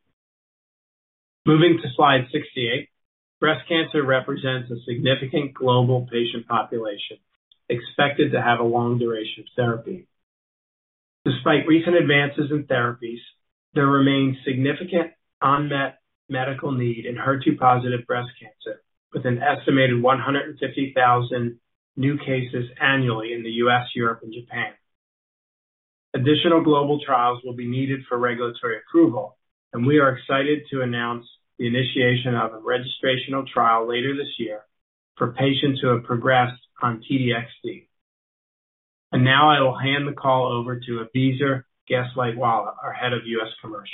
Moving to slide 68, breast cancer represents a significant global patient population expected to have a long duration of therapy. Despite recent advances in therapies, there remains significant unmet medical need in HER2-positive breast cancer, with an estimated 150,000 new cases annually in the U.S., Europe, and Japan. Additional global trials will be needed for regulatory approval, and we are excited to announce the initiation of a registrational trial later this year for patients who have progressed on T-DXd. And now I will hand the call over to Abizar Gaslightwala, our head of U.S. commercial.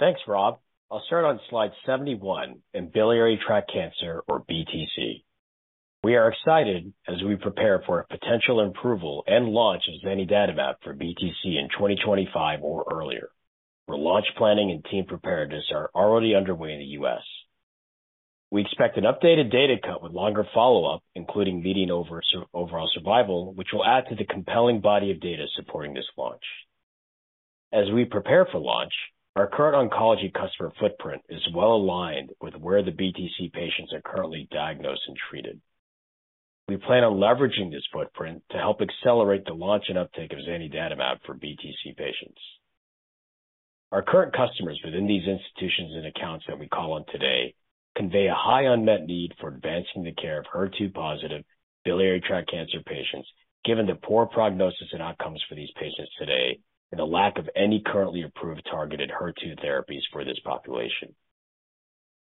Thanks, Rob. I'll start on slide 71 in biliary tract cancer, or BTC. We are excited as we prepare for a potential approval and launch of zanidatamab for BTC in 2025 or earlier. Our launch planning and team preparedness are already underway in the U.S. We expect an updated data cut with longer follow-up, including meeting overall survival, which will add to the compelling body of data supporting this launch. As we prepare for launch, our current oncology customer footprint is well aligned with where the BTC patients are currently diagnosed and treated. We plan on leveraging this footprint to help accelerate the launch and uptake of zanidatamab for BTC patients. Our current customers within these institutions and accounts that we call on today convey a high unmet need for advancing the care of HER2 positive biliary tract cancer patients given the poor prognosis and outcomes for these patients today and the lack of any currently approved targeted HER2 therapies for this population.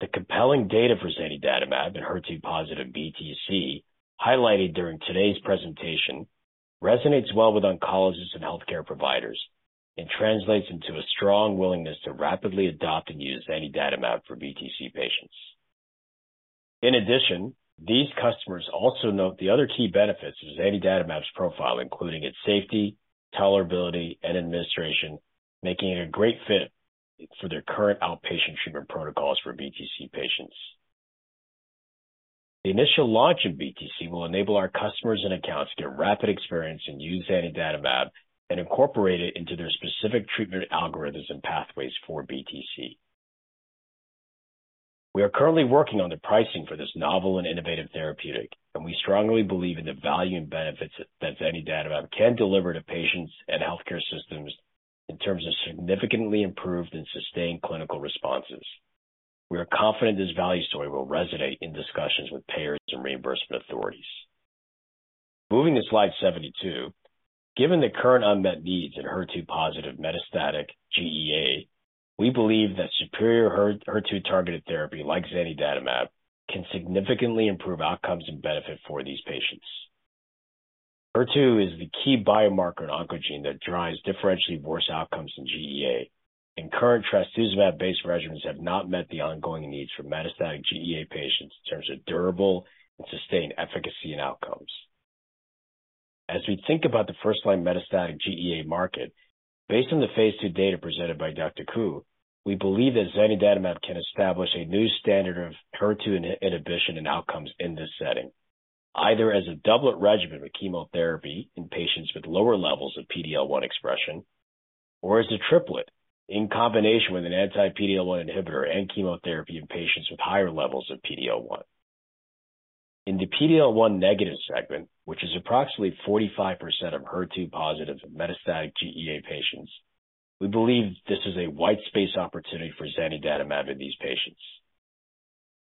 The compelling data for zanidatamab and HER2 positive BTC highlighted during today's presentation resonates well with oncologists and healthcare providers and translates into a strong willingness to rapidly adopt and use zanidatamab for BTC patients. In addition, these customers also note the other key benefits of zanidatamab's profile, including its safety, tolerability, and administration, making it a great fit for their current outpatient treatment protocols for BTC patients. The initial launch of BTC will enable our customers and accounts to get rapid experience in using zanidatamab and incorporate it into their specific treatment algorithms and pathways for BTC. We are currently working on the pricing for this novel and innovative therapeutic, and we strongly believe in the value and benefits that zanidatamab can deliver to patients and healthcare systems in terms of significantly improved and sustained clinical responses. We are confident this value story will resonate in discussions with payers and reimbursement authorities. Moving to slide 72, given the current unmet needs in HER2-positive metastatic GEA, we believe that superior HER2-targeted therapy like zanidatamab can significantly improve outcomes and benefit for these patients. HER2 is the key biomarker and oncogene that drives differentially worse outcomes in GEA, and current trastuzumab-based regimens have not met the ongoing needs for metastatic GEA patients in terms of durable and sustained efficacy and outcomes. As we think about the first-line metastatic GEA market, based on the Phase II data presented by Dr. Ku, we believe that zanidatamab can establish a new standard of HER2 inhibition and outcomes in this setting, either as a doublet regimen with chemotherapy in patients with lower levels of PD-L1 expression or as a triplet in combination with an anti-PD-L1 inhibitor and chemotherapy in patients with higher levels of PD-L1. In the PD-L1 negative segment, which is approximately 45% of HER2 positive metastatic GEA patients, we believe this is a white space opportunity for zanidatamab in these patients.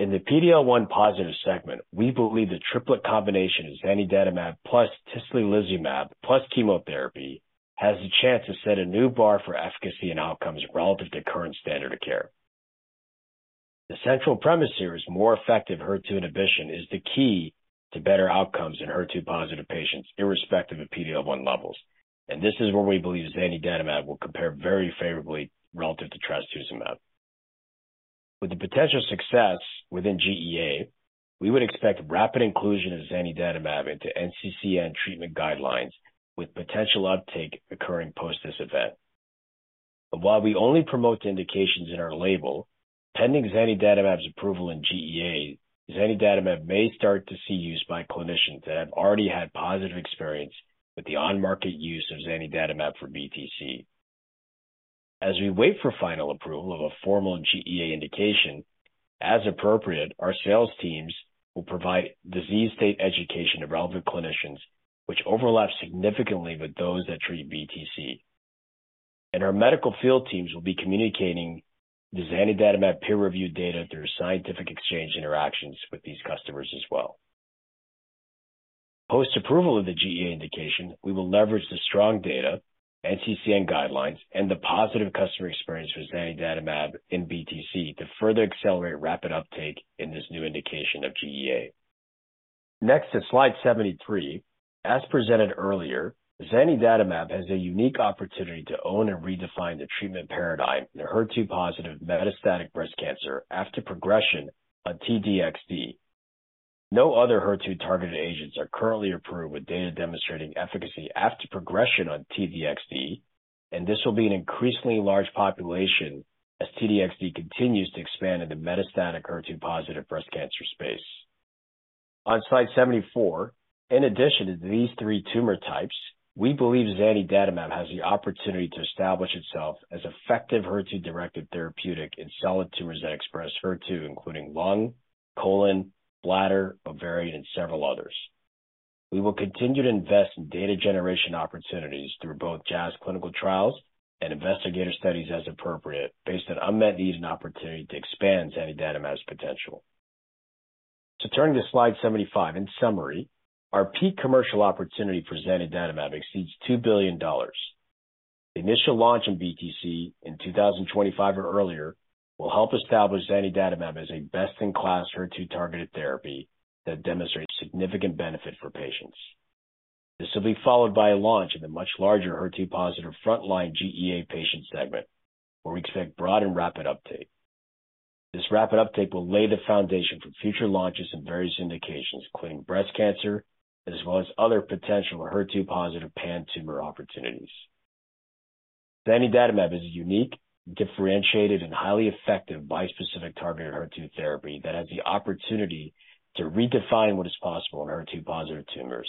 In the PD-L1 positive segment, we believe the triplet combination of zanidatamab plus tislelizumab plus chemotherapy has the chance to set a new bar for efficacy and outcomes relative to current standard of care. The central premise here is more effective HER2 inhibition is the key to better outcomes in HER2 positive patients irrespective of PD-L1 levels, and this is where we believe zanidatamab will compare very favorably relative to trastuzumab. With the potential success within GEA, we would expect rapid inclusion of zanidatamab into NCCN treatment guidelines, with potential uptake occurring post this event. While we only promote indications in our label, pending zanidatamab's approval in GEA, zanidatamab may start to see use by clinicians that have already had positive experience with the on-market use of zanidatamab for BTC. As we wait for final approval of a formal GEA indication, as appropriate, our sales teams will provide disease state education to relevant clinicians, which overlaps significantly with those that treat BTC. Our medical field teams will be communicating the Zanidatamab peer-reviewed data through scientific exchange interactions with these customers as well. Post approval of the GEA indication, we will leverage the strong data, NCCN guidelines, and the positive customer experience with Zanidatamab in BTC to further accelerate rapid uptake in this new indication of GEA. Next to slide 73, as presented earlier, Zanidatamab has a unique opportunity to own and redefine the treatment paradigm in HER2 positive metastatic breast cancer after progression on T-DXd. No other HER2 targeted agents are currently approved with data demonstrating efficacy after progression on T-DXd, and this will be an increasingly large population as T-DXd continues to expand in the metastatic HER2 positive breast cancer space. On slide 74, in addition to these three tumor types, we believe zanidatamab has the opportunity to establish itself as effective HER2-directed therapeutic in solid tumors that express HER2, including lung, colon, bladder, ovarian, and several others. We will continue to invest in data generation opportunities through both Jazz Clinical Trials and investigator studies as appropriate, based on unmet need and opportunity to expand zanidatamab's potential. So turning to slide 75, in summary, our peak commercial opportunity for zanidatamab exceeds $2 billion. The initial launch in BTC in 2025 or earlier will help establish zanidatamab as a best-in-class HER2 targeted therapy that demonstrates significant benefit for patients. This will be followed by a launch in the much larger HER2 positive frontline GEA patient segment, where we expect broad and rapid uptake. This rapid uptake will lay the foundation for future launches in various indications, including breast cancer as well as other potential HER2 positive pan-tumor opportunities. Zanidatamab is a unique, differentiated, and highly effective bispecific targeted HER2 therapy that has the opportunity to redefine what is possible in HER2 positive tumors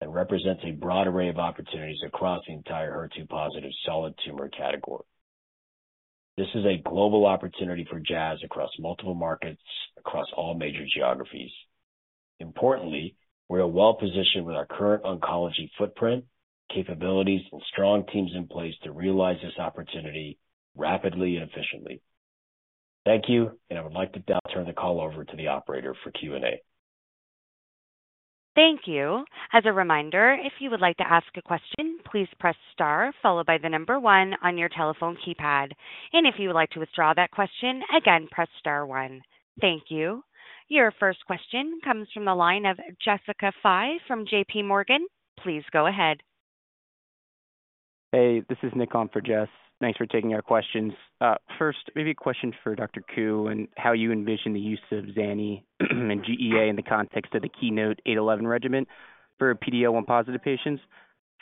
and represents a broad array of opportunities across the entire HER2 positive solid tumor category. This is a global opportunity for Jazz across multiple markets, across all major geographies. Importantly, we are well positioned with our current oncology footprint, capabilities, and strong teams in place to realize this opportunity rapidly and efficiently. Thank you, and I would like to now turn the call over to the operator for Q&A. Thank you. As a reminder, if you would like to ask a question, please press star followed by the number 1 on your telephone keypad. If you would like to withdraw that question, again, press star 1. Thank you. Your first question comes from the line of Jessica Fye from J.P. Morgan. Please go ahead. Hey, this is Nick on for Jess. Thanks for taking our questions. First, maybe a question for Dr. Ku and how you envision the use of zanidatamab and GEA in the context of the KEYNOTE-811 regimen for PD-L1 positive patients.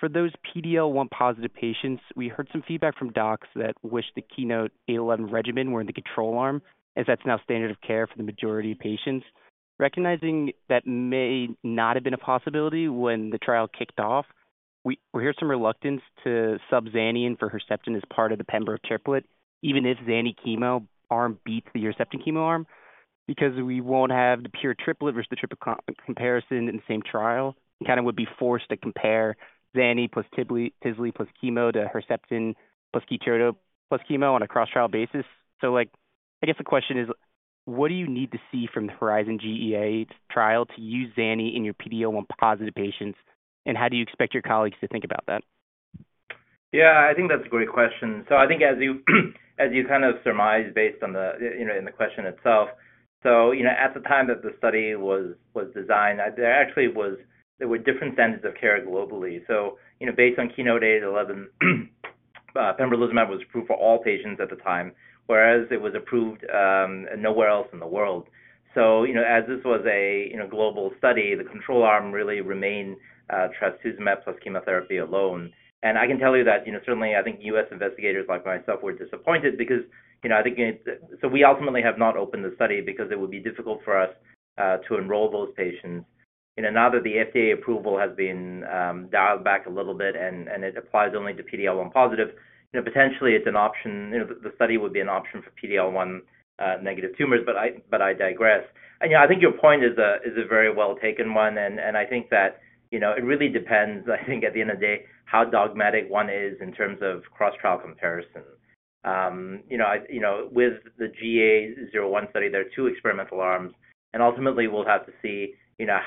For those PD-L1 positive patients, we heard some feedback from docs that wish the KEYNOTE-811 regimen were in the control arm as that's now standard of care for the majority of patients. Recognizing that may not have been a possibility when the trial kicked off, we hear some reluctance to sub-Zanidatamab for Herceptin as part of the Pembro triplet, even if Zanidatamab chemo arm beats the Herceptin chemo arm, because we won't have the pure triplet versus the triplet comparison in the same trial and kind of would be forced to compare Zanidatamab plus Tislelizumab plus chemo to Herceptin plus Keytruda plus chemo on a cross-trial basis. So I guess the question is, what do you need to see from the HERIZON-GEA-01 trial to use Zanidatamab in your PD-L1 positive patients, and how do you expect your colleagues to think about that? Yeah, I think that's a great question. So I think as you kind of surmised based on the question itself, so at the time that the study was designed, there were different standards of care globally. So based on KEYNOTE-811, pembrolizumab was approved for all patients at the time, whereas it was approved nowhere else in the world. So as this was a global study, the control arm really remained trastuzumab plus chemotherapy alone. And I can tell you that certainly, I think U.S. investigators like myself were disappointed because I think so we ultimately have not opened the study because it would be difficult for us to enroll those patients. Now that the FDA approval has been dialed back a little bit and it applies only to PD-L1 positive, potentially it's an option the study would be an option for PD-L1 negative tumors, but I digress. And I think your point is a very well-taken one, and I think that it really depends, I think, at the end of the day, how dogmatic one is in terms of cross-trial comparison. With the GEA-01 study, there are two experimental arms, and ultimately, we'll have to see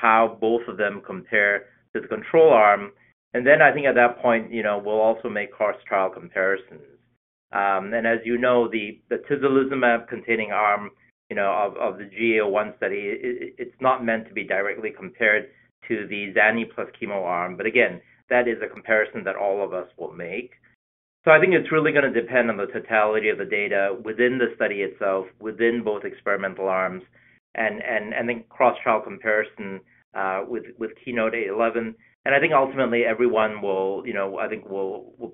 how both of them compare to the control arm. And then I think at that point, we'll also make cross-trial comparisons. And as you know, the tislelizumab-containing arm of the GEA-01 study, it's not meant to be directly compared to the zanidatamab plus chemo arm, but again, that is a comparison that all of us will make. So I think it's really going to depend on the totality of the data within the study itself, within both experimental arms, and then cross-trial comparison with KEYNOTE-811. And I think ultimately, everyone will, I think,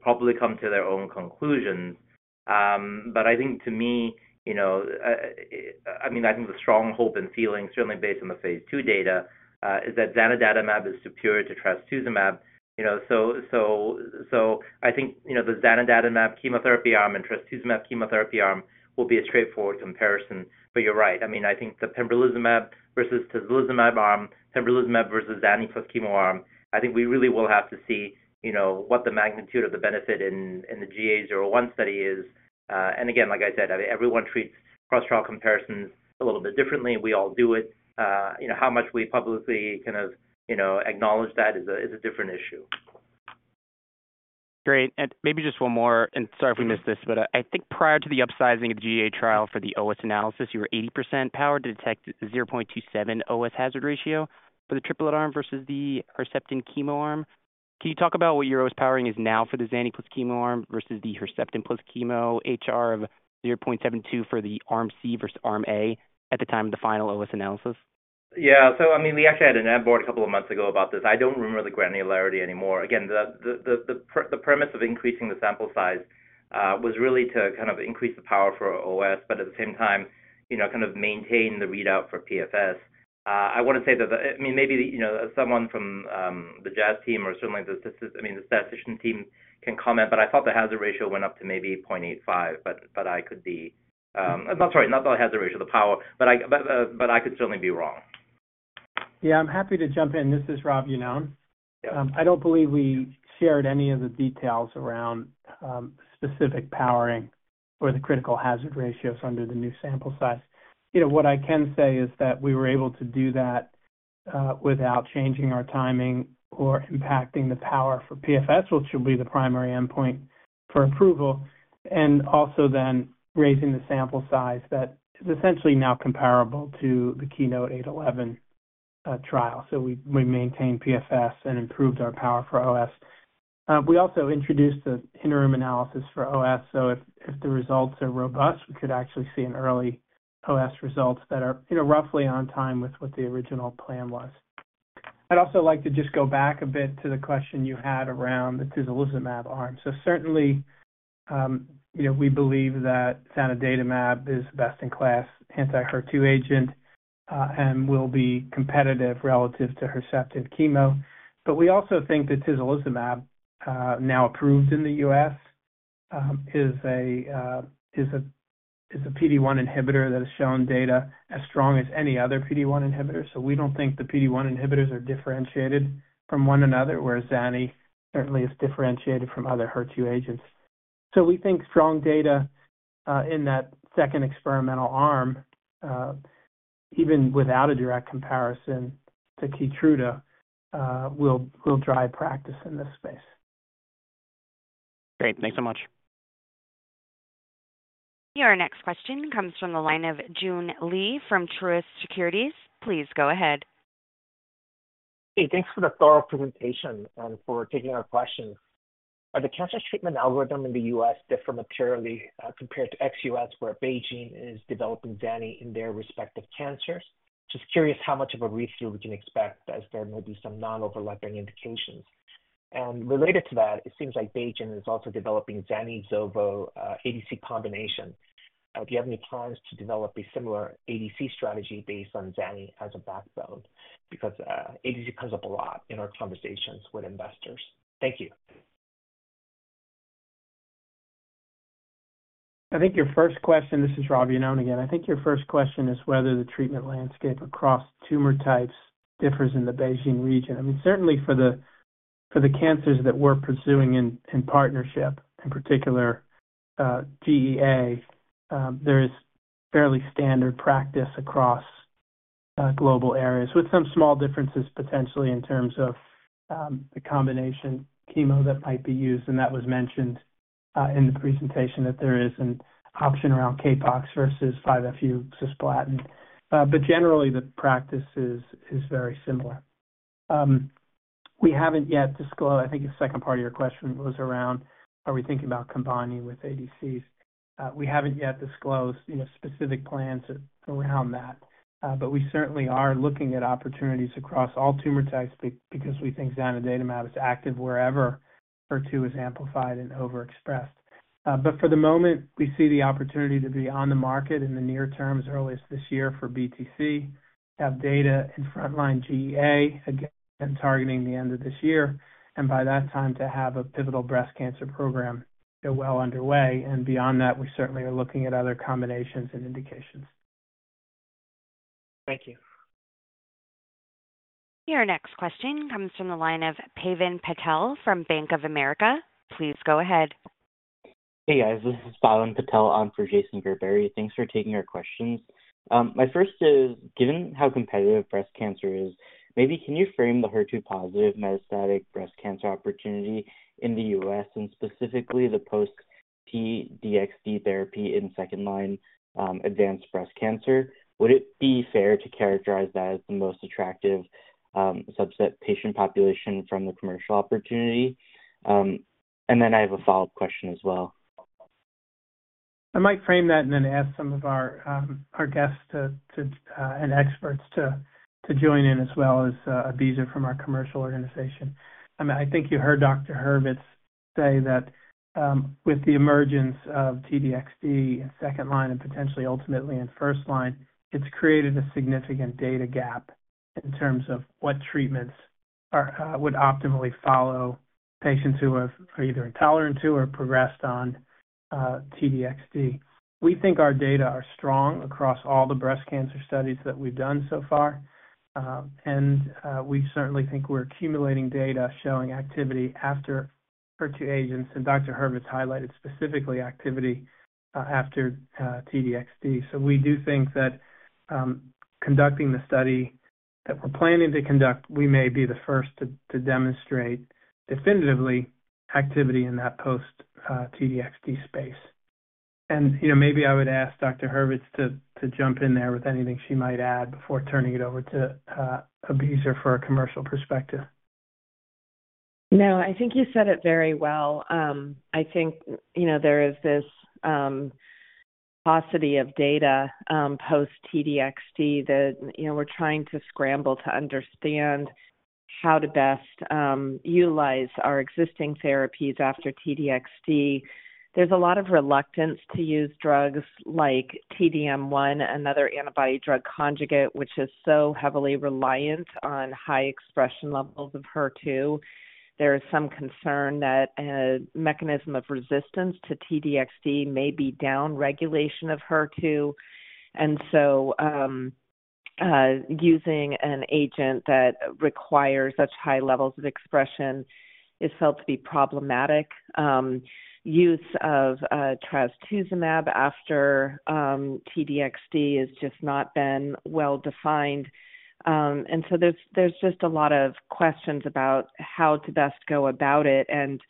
probably come to their own conclusions. But I think to me, I mean, I think the strong hope and feeling, certainly based on the Phase II data, is that zanidatamab is superior to trastuzumab. So I think the zanidatamab chemotherapy arm and trastuzumab chemotherapy arm will be a straightforward comparison. But you're right. I mean, I think the pembrolizumab versus tislelizumab arm, pembrolizumab versus zanidatamab plus chemo arm, I think we really will have to see what the magnitude of the benefit in the GEA-01 study is. And again, like I said, everyone treats cross-trial comparisons a little bit differently. We all do it. How much we publicly kind of acknowledge that is a different issue. Great. And maybe just one more, and sorry if we missed this, but I think prior to the upsizing of the GEA trial for the OS analysis, you were 80% powered to detect 0.27 OS hazard ratio for the triplet arm versus the Herceptin chemo arm. Can you talk about what your OS powering is now for the Zanidatamab plus chemo arm versus the Herceptin plus chemo HR of 0.72 for the arm C versus arm A at the time of the final OS analysis? Yeah. So I mean, we actually had an ad board a couple of months ago about this. I don't remember the granularity anymore. Again, the premise of increasing the sample size was really to kind of increase the power for OS, but at the same time, kind of maintain the readout for PFS. I want to say that I mean, maybe someone from the Jazz team or certainly, I mean, the statistician team can comment, but I thought the hazard ratio went up to maybe 0.85, but I could be sorry, not the hazard ratio, the power, but I could certainly be wrong. Yeah, I'm happy to jump in. This is Rob Iannone. I don't believe we shared any of the details around specific powering or the critical hazard ratios under the new sample size. What I can say is that we were able to do that without changing our timing or impacting the power for PFS, which will be the primary endpoint for approval, and also then raising the sample size that is essentially now comparable to the KEYNOTE-811 trial. So we maintained PFS and improved our power for OS. We also introduced an interim analysis for OS, so if the results are robust, we could actually see an early OS result that are roughly on time with what the original plan was. I'd also like to just go back a bit to the question you had around the Tislelizumab arm. So certainly, we believe that zanidatamab is the best-in-class anti-HER2 agent and will be competitive relative to Herceptin chemo. But we also think that tislelizumab, now approved in the US, is a PD-L1 inhibitor that has shown data as strong as any other PD-L1 inhibitor. So we don't think the PD-L1 inhibitors are differentiated from one another, whereas zanidatamab certainly is differentiated from other HER2 agents. So we think strong data in that second experimental arm, even without a direct comparison to Keytruda, will drive practice in this space. Great. Thanks so much. Your next question comes from the line of Joon Lee from Truist Securities. Please go ahead. Hey, thanks for the thorough presentation and for taking our questions. Are the cancer treatment algorithms in the US different materially compared to ex-US, where BeiGene is developing zanidatamab in their respective cancers? Just curious how much of a read-through we can expect as there may be some non-overlapping indications. And related to that, it seems like BeiGene is also developing zanidatamab/zovodolimab/ADC combination. Do you have any plans to develop a similar ADC strategy based on zanidatamab as a backbone? Because ADC comes up a lot in our conversations with investors. Thank you. I think your first question. This is Rob Iannone again. I think your first question is whether the treatment landscape across tumor types differs in the BeiGene region. I mean, certainly for the cancers that we're pursuing in partnership, in particular GEA, there is fairly standard practice across global areas, with some small differences potentially in terms of the combination chemo that might be used. That was mentioned in the presentation that there is an option around CAPOX versus 5-FU cisplatin. But generally, the practice is very similar. We haven't yet disclosed. I think the second part of your question was around, are we thinking about combining with ADCs? We haven't yet disclosed specific plans around that. But we certainly are looking at opportunities across all tumor types because we think zanidatamab is active wherever HER2 is amplified and overexpressed. But for the moment, we see the opportunity to be on the market in the near term, as early as this year, for BTC, have data in frontline GEA, again, targeting the end of this year, and by that time to have a pivotal breast cancer program go well underway. And beyond that, we certainly are looking at other combinations and indications. Thank you. Your next question comes from the line of Pavan Patel from Bank of America. Please go ahead. Hey, guys. This is Pavan Patel on for Jason Gerberry. Thanks for taking our questions. My first is, given how competitive breast cancer is, maybe can you frame the HER2 positive metastatic breast cancer opportunity in the U.S., and specifically the post-T-DXd therapy in second-line advanced breast cancer? Would it be fair to characterize that as the most attractive subset patient population from the commercial opportunity? And then I have a follow-up question as well. I might frame that and then ask some of our guests and experts to join in, as well as Abizar from our commercial organization. I mean, I think you heard Dr. Hurvitz say that with the emergence of T-DXd in second line and potentially ultimately in first line, it's created a significant data gap in terms of what treatments would optimally follow patients who are either intolerant to or progressed on T-DXd. We think our data are strong across all the breast cancer studies that we've done so far, and we certainly think we're accumulating data showing activity after HER2 agents. Dr. Hurvitz highlighted specifically activity after T-DXd. So we do think that conducting the study that we're planning to conduct, we may be the first to demonstrate definitively activity in that post-T-DXd space. And maybe I would ask Dr. Hurvitz to jump in there with anything she might add before turning it over to Abizar for a commercial perspective. No, I think you said it very well. I think there is this paucity of data post-T-DXd that we're trying to scramble to understand how to best utilize our existing therapies after T-DXd. There's a lot of reluctance to use drugs like T-DM1, another antibody-drug conjugate, which is so heavily reliant on high expression levels of HER2. There is some concern that a mechanism of resistance to T-DXd may be downregulation of HER2, and so using an agent that requires such high levels of expression is felt to be problematic. Use of trastuzumab after T-DXd has just not been well-defined. And so there's just a lot of questions about how to best go about it. And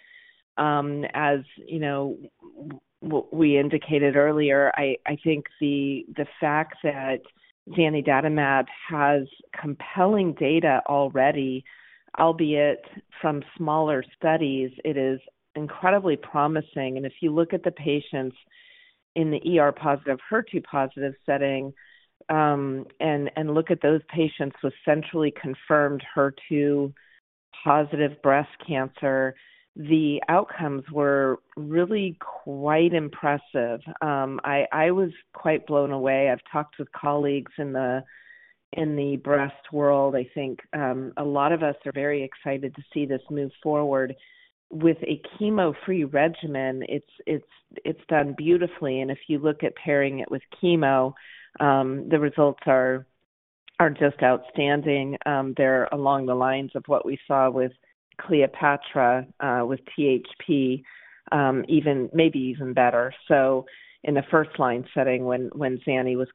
as we indicated earlier, I think the fact that zanidatamab has compelling data already, albeit from smaller studies, it is incredibly promising. And if you look at the patients in the positive, HER2 positive setting, and look at those patients with centrally confirmed HER2 positive breast cancer, the outcomes were really quite impressive. I was quite blown away. I've talked with colleagues in the breast world. I think a lot of us are very excited to see this move forward. With a chemo-free regimen, it's done beautifully. If you look at pairing it with chemo, the results are just outstanding. They're along the lines of what we saw with CLEOPATRA with THP, maybe even better, so in the first-line setting when zanidatamab was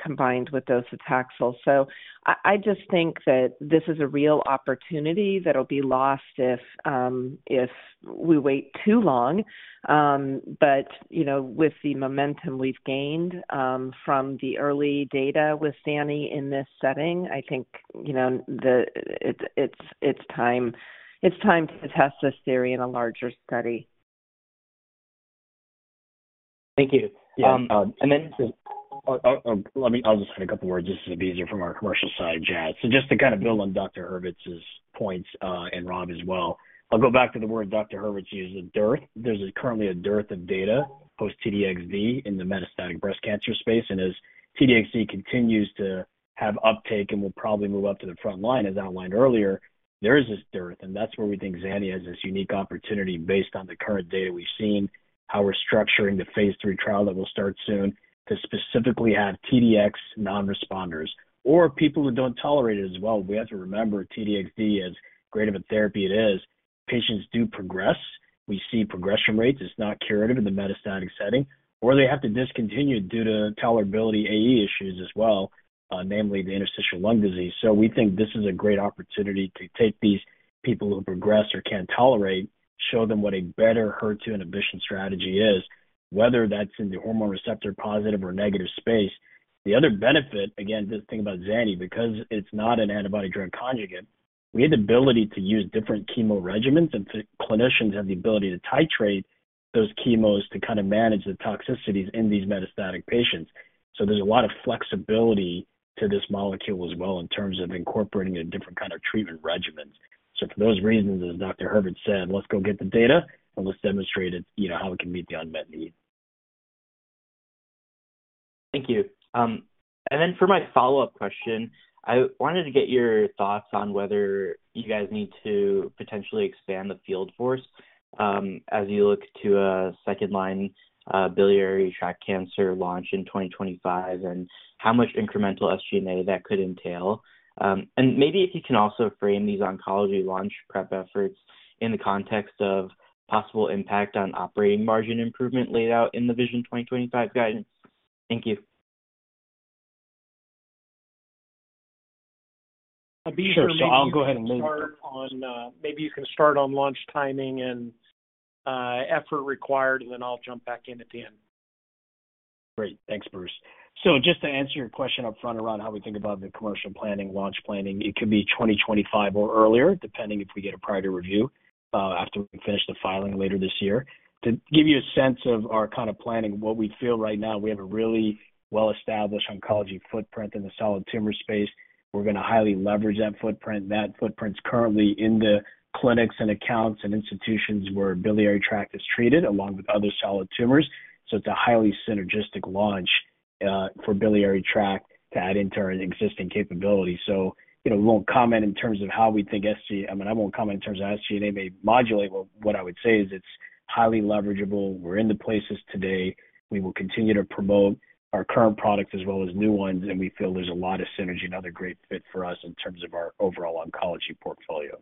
combined with docetaxel. So I just think that this is a real opportunity that'll be lost if we wait too long. But with the momentum we've gained from the early data with zanidatamab in this setting, I think it's time to test this theory in a larger study. Thank you. And then let me I'll just add a couple of words. This is Abizar from our commercial side, Jazz. So just to kind of build on Dr. Hurvitz's points and Rob as well, I'll go back to the word Dr. Hurvitz used. There's currently a dearth of data post-T-DXd in the metastatic breast cancer space. As T-DXd continues to have uptake and will probably move up to the front line, as outlined earlier, there is this dearth, and that's where we think zanidatamab has this unique opportunity based on the current data we've seen, how we're structuring the Phase III trial that will start soon, to specifically have T-DXd non-responders or people who don't tolerate it as well. We have to remember, T-DXd, as great of a therapy it is, patients do progress. We see progression rates. It's not curative in the metastatic setting, or they have to discontinue it due to tolerability AE issues as well, namely the interstitial lung disease. So we think this is a great opportunity to take these people who progress or can't tolerate, show them what a better HER2 inhibition strategy is, whether that's in the hormone receptor positive or negative space. The other benefit, again, just think about zanidatamab, because it's not an antibody-drug conjugate, we have the ability to use different chemo regimens, and clinicians have the ability to titrate those chemos to kind of manage the toxicities in these metastatic patients. So there's a lot of flexibility to this molecule as well in terms of incorporating it in different kind of treatment regimens. So for those reasons, as Dr. Hurvitz said, let's go get the data, and let's demonstrate how it can meet the unmet need. Thank you. And then for my follow-up question, I wanted to get your thoughts on whether you guys need to potentially expand the field force as you look to a second-line biliary tract cancer launch in 2025 and how much incremental SG&A that could entail. Maybe if you can also frame these oncology launch prep efforts in the context of possible impact on operating margin improvement laid out in the Vision 2025 guidance. Thank you. Abizar for me? Sure. So I'll go ahead and maybe start on maybe you can start on launch timing and effort required, and then I'll jump back in at the end. Great. Thanks, Bruce. So just to answer your question up front around how we think about the commercial planning, launch planning, it could be 2025 or earlier, depending if we get a prior review after we finish the filing later this year. To give you a sense of our kind of planning, what we feel right now, we have a really well-established oncology footprint in the solid tumor space. We're going to highly leverage that footprint. That footprint's currently in the clinics and accounts and institutions where biliary tract is treated, along with other solid tumors. So it's a highly synergistic launch for biliary tract to add into our existing capability. So we won't comment in terms of how we think SG I mean, I won't comment in terms of SG&A may modulate, but what I would say is it's highly leverageable. We're in the places today. We will continue to promote our current products as well as new ones, and we feel there's a lot of synergy and other great fit for us in terms of our overall oncology portfolio.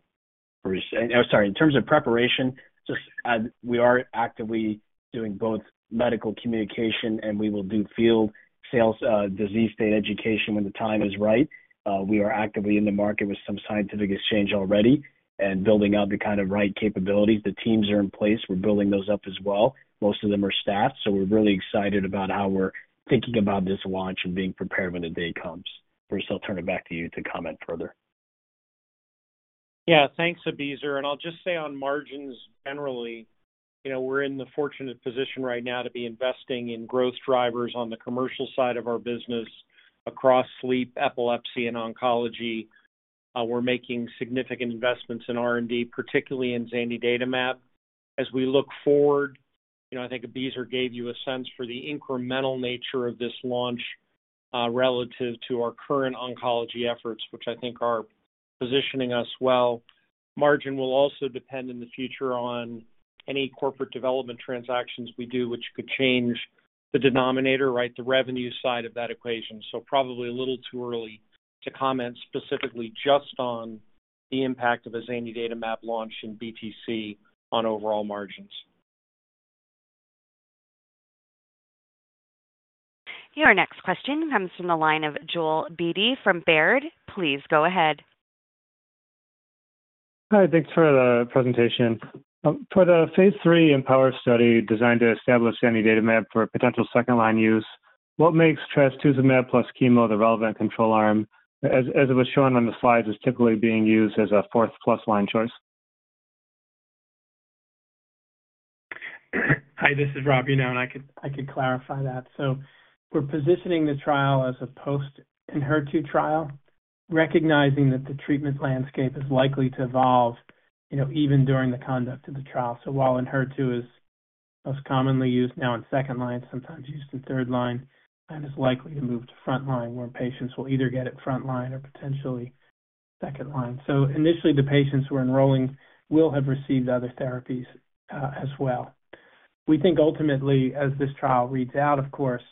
Bruce, oh, sorry. In terms of preparation, we are actively doing both medical communication, and we will do field sales disease state education when the time is right. We are actively in the market with some scientific exchange already and building out the kind of right capabilities. The teams are in place. We're building those up as well. Most of them are staffed. So we're really excited about how we're thinking about this launch and being prepared when the day comes. Bruce, I'll turn it back to you to comment further. Yeah. Thanks, Abizar. And I'll just say on margins generally, we're in the fortunate position right now to be investing in growth drivers on the commercial side of our business across sleep, epilepsy, and oncology. We're making significant investments in R&D, particularly in Zanidatamab. As we look forward, I think Abizar gave you a sense for the incremental nature of this launch relative to our current oncology efforts, which I think are positioning us well. Margin will also depend in the future on any corporate development transactions we do, which could change the denominator, right, the revenue side of that equation. So probably a little too early to comment specifically just on the impact of a zanidatamab launch in BTC on overall margins. Your next question comes from the line of Joel Beatty from Baird. Please go ahead. Hi. Thanks for the presentation. For the Phase III EmpowHER study designed to establish zanidatamab for potential second-line use, what makes trastuzumab plus chemo the relevant control arm, as it was shown on the slides, is typically being used as a fourth-plus-line choice? Hi. This is Rob Iannone, and I could clarify that. So we're positioning the trial as a post-Enhertu trial, recognizing that the treatment landscape is likely to evolve even during the conduct of the trial. So while Enhertu is most commonly used now in second line, sometimes used in third line, it is likely to move to front line, where patients will either get it front line or potentially second line. So initially, the patients who are enrolling will have received other therapies as well. We think ultimately, as this trial reads out, of course,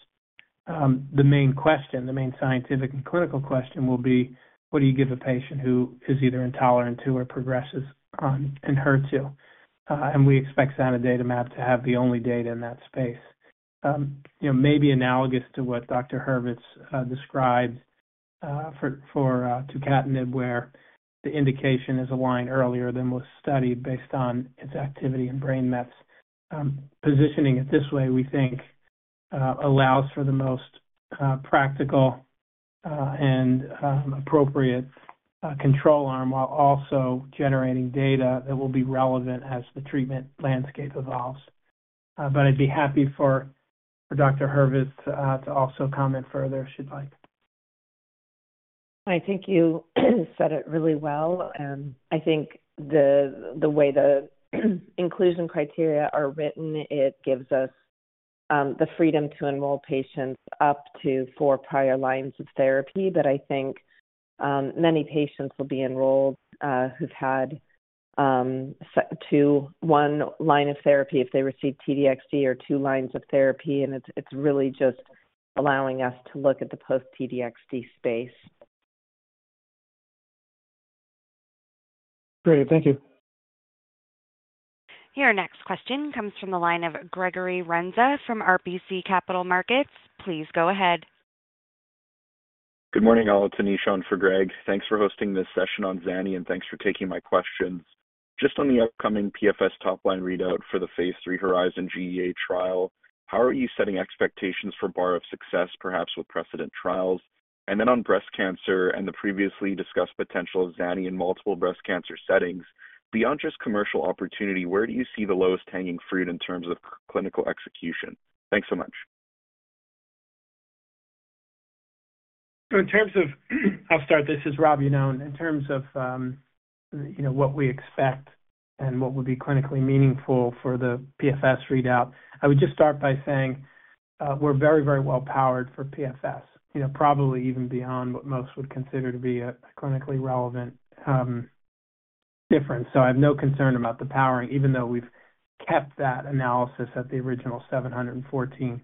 the main question, the main scientific and clinical question, will be, what do you give a patient who is either intolerant to or progresses on Enhertu? And we expect zanidatamab to have the only data in that space, maybe analogous to what Dr. Hurvitz described for tucatinib, where the indication is aligned earlier than was studied based on its activity and brain mets. Positioning it this way, we think, allows for the most practical and appropriate control arm while also generating data that will be relevant as the treatment landscape evolves. But I'd be happy for Dr. Hurvitz to also comment further, should she like. Hi. Thank you. You said it really well. And I think the way the inclusion criteria are written, it gives us the freedom to enroll patients up to four prior lines of therapy. But I think many patients will be enrolled who've had two or one line of therapy if they receive T-DXd or two lines of therapy. And it's really just allowing us to look at the post-T-DXd space. Great. Thank you. Your next question comes from the line of Gregory Renza from RBC Capital Markets. Please go ahead. Good morning. This is Tanisha on for Greg. Thanks for hosting this session on zanidatamab, and thanks for taking my questions. Just on the upcoming PFS top-line readout for the Phase III HERIZON-GEA-01 trial, how are you setting expectations for bar of success, perhaps with precedent trials? And then on breast cancer and the previously discussed potential of Zanidatamab in multiple breast cancer settings, beyond just commercial opportunity, where do you see the lowest hanging fruit in terms of clinical execution? Thanks so much. So in terms of I'll start. This is Rob Iannone. In terms of what we expect and what would be clinically meaningful for the PFS readout, I would just start by saying we're very, very well-powered for PFS, probably even beyond what most would consider to be a clinically relevant difference. So I have no concern about the powering, even though we've kept that analysis at the original 714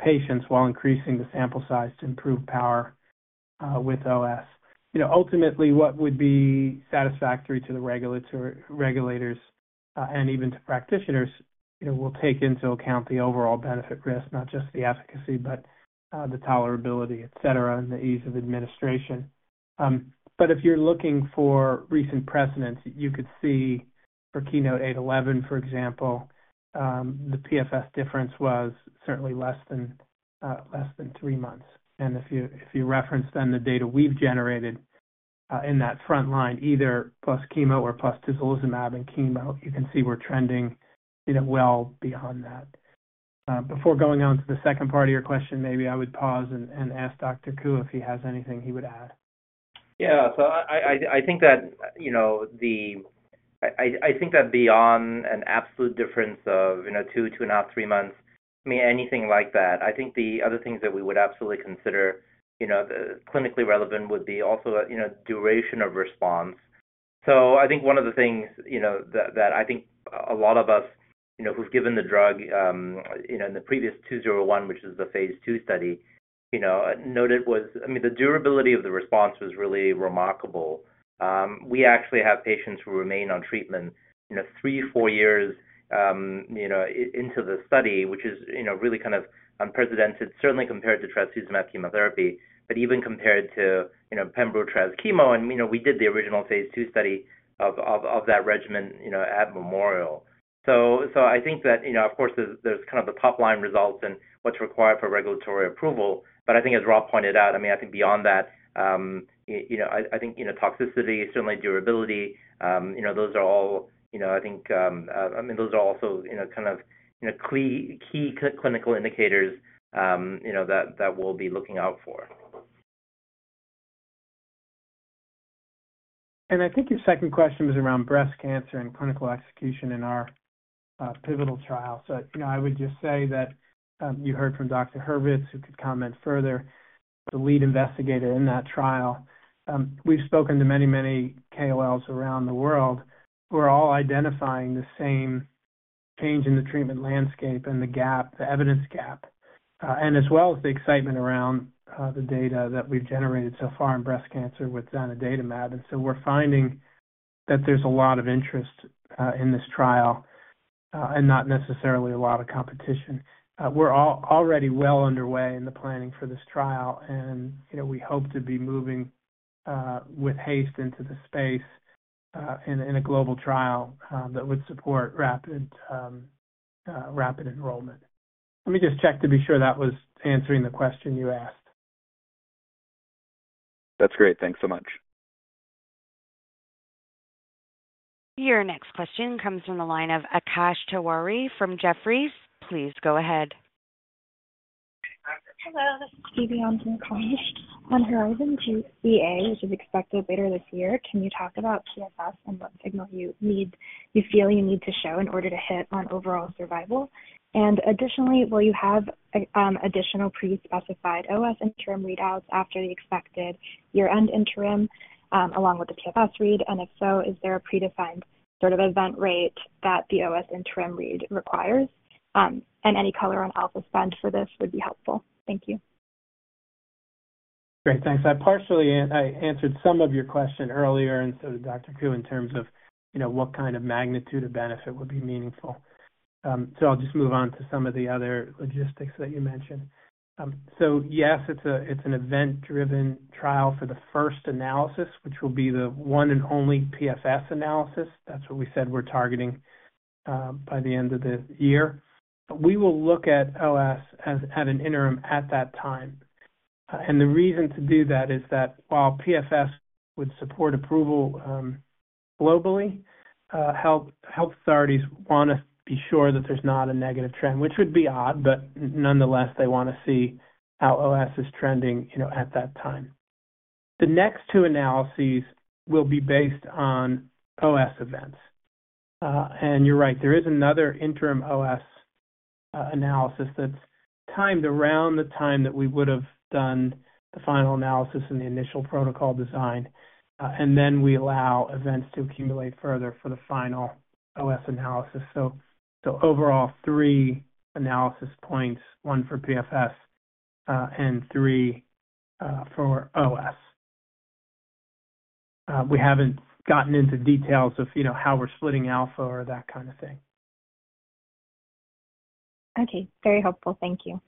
patients while increasing the sample size to improve power with OS. Ultimately, what would be satisfactory to the regulators and even to practitioners will take into account the overall benefit-risk, not just the efficacy but the tolerability, etc., and the ease of administration. But if you're looking for recent precedents, you could see for KEYNOTE-811, for example, the PFS difference was certainly less than three months. And if you reference then the data we've generated in that front line, either plus chemo or plus tislelizumab and chemo, you can see we're trending well beyond that. Before going on to the second part of your question, maybe I would pause and ask Dr. Ku if he has anything he would add. Yeah. So I think that beyond an absolute difference of 2, 2.5, 3 months, I mean, anything like that, I think the other things that we would absolutely consider clinically relevant would be also duration of response. So I think one of the things that I think a lot of us who've given the drug in the previous HERIZON-BTC-01, which is the Phase II study, noted was I mean, the durability of the response was really remarkable. We actually have patients who remain on treatment 3, 4 years into the study, which is really kind of unprecedented, certainly compared to trastuzumab chemotherapy, but even compared to pembrolizumab chemo. And we did the original Phase II study of that regimen at Memorial. So I think that, of course, there's kind of the top-line results and what's required for regulatory approval. But I think, as Rob pointed out, I mean, I think beyond that, I think toxicity, certainly durability, those are all I think I mean, those are also kind of key clinical indicators that we'll be looking out for. And I think your second question was around breast cancer and clinical execution in our pivotal trial. So I would just say that you heard from Dr. Hurvitz, who could comment further, the lead investigator in that trial. We've spoken to many, many KOLs around the world who are all identifying the same change in the treatment landscape and the gap, the evidence gap, and as well as the excitement around the data that we've generated so far in breast cancer with Zanidatamab. And so we're finding that there's a lot of interest in this trial and not necessarily a lot of competition. We're already well underway in the planning for this trial, and we hope to be moving with haste into the space in a global trial that would support rapid enrollment. Let me just check to be sure that was answering the question you asked. That's great. Thanks so much. Your next question comes from the line of Akash Tewari from Jefferies. Please go ahead. Hello. This is Stevie Yanon from Akash. On Horizon GEA, which is expected later this year, can you talk about PFS and what signal you feel you need to show in order to hit on overall survival? And additionally, will you have additional prespecified OS interim readouts after the expected year-end interim along with the PFS read? And if so, is there a predefined sort of event rate that the OS interim read requires? And any color on alpha spend for this would be helpful. Thank you. Great. Thanks. I partially answered some of your question earlier, and so to Dr. Ku, in terms of what kind of magnitude of benefit would be meaningful. So I'll just move on to some of the other logistics that you mentioned. So yes, it's an event-driven trial for the first analysis, which will be the one and only PFS analysis. That's what we said we're targeting by the end of the year. But we will look at OS as an interim at that time. And the reason to do that is that while PFS would support approval globally, health authorities want to be sure that there's not a negative trend, which would be odd, but nonetheless, they want to see how OS is trending at that time. The next two analyses will be based on OS events. And you're right. There is another interim OS analysis that's timed around the time that we would have done the final analysis and the initial protocol design. And then we allow events to accumulate further for the final OS analysis. So overall, three analysis points, one for PFS and three for OS. We haven't gotten into details of how we're splitting alpha or that kind of thing. Okay. Very helpful. Thank you.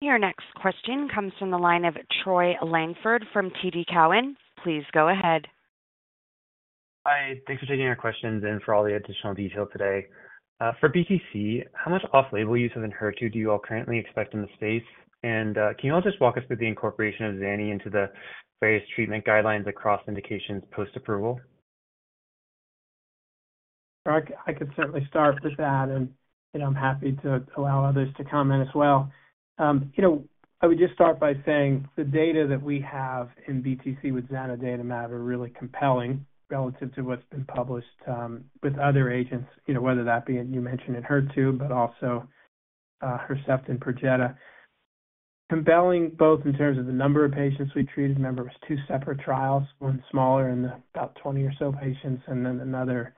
Your next question comes from the line of Troy Langford from TD Cowen. Please go ahead. Hi. Thanks for taking our questions and for all the additional detail today. For BTC, how much off-label use of Enhertu do you all currently expect in the space? And can you all just walk us through the incorporation of Zanidatamab into the various treatment guidelines across indications post-approval? I could certainly start with that, and I'm happy to allow others to comment as well. I would just start by saying the data that we have in BTC with zanidatamab are really compelling relative to what's been published with other agents, whether that be you mentioned Enhertu but also Herceptin and Perjeta. Compelling both in terms of the number of patients we treated. Remember, it was two separate trials, one smaller in about 20 or so patients, and then another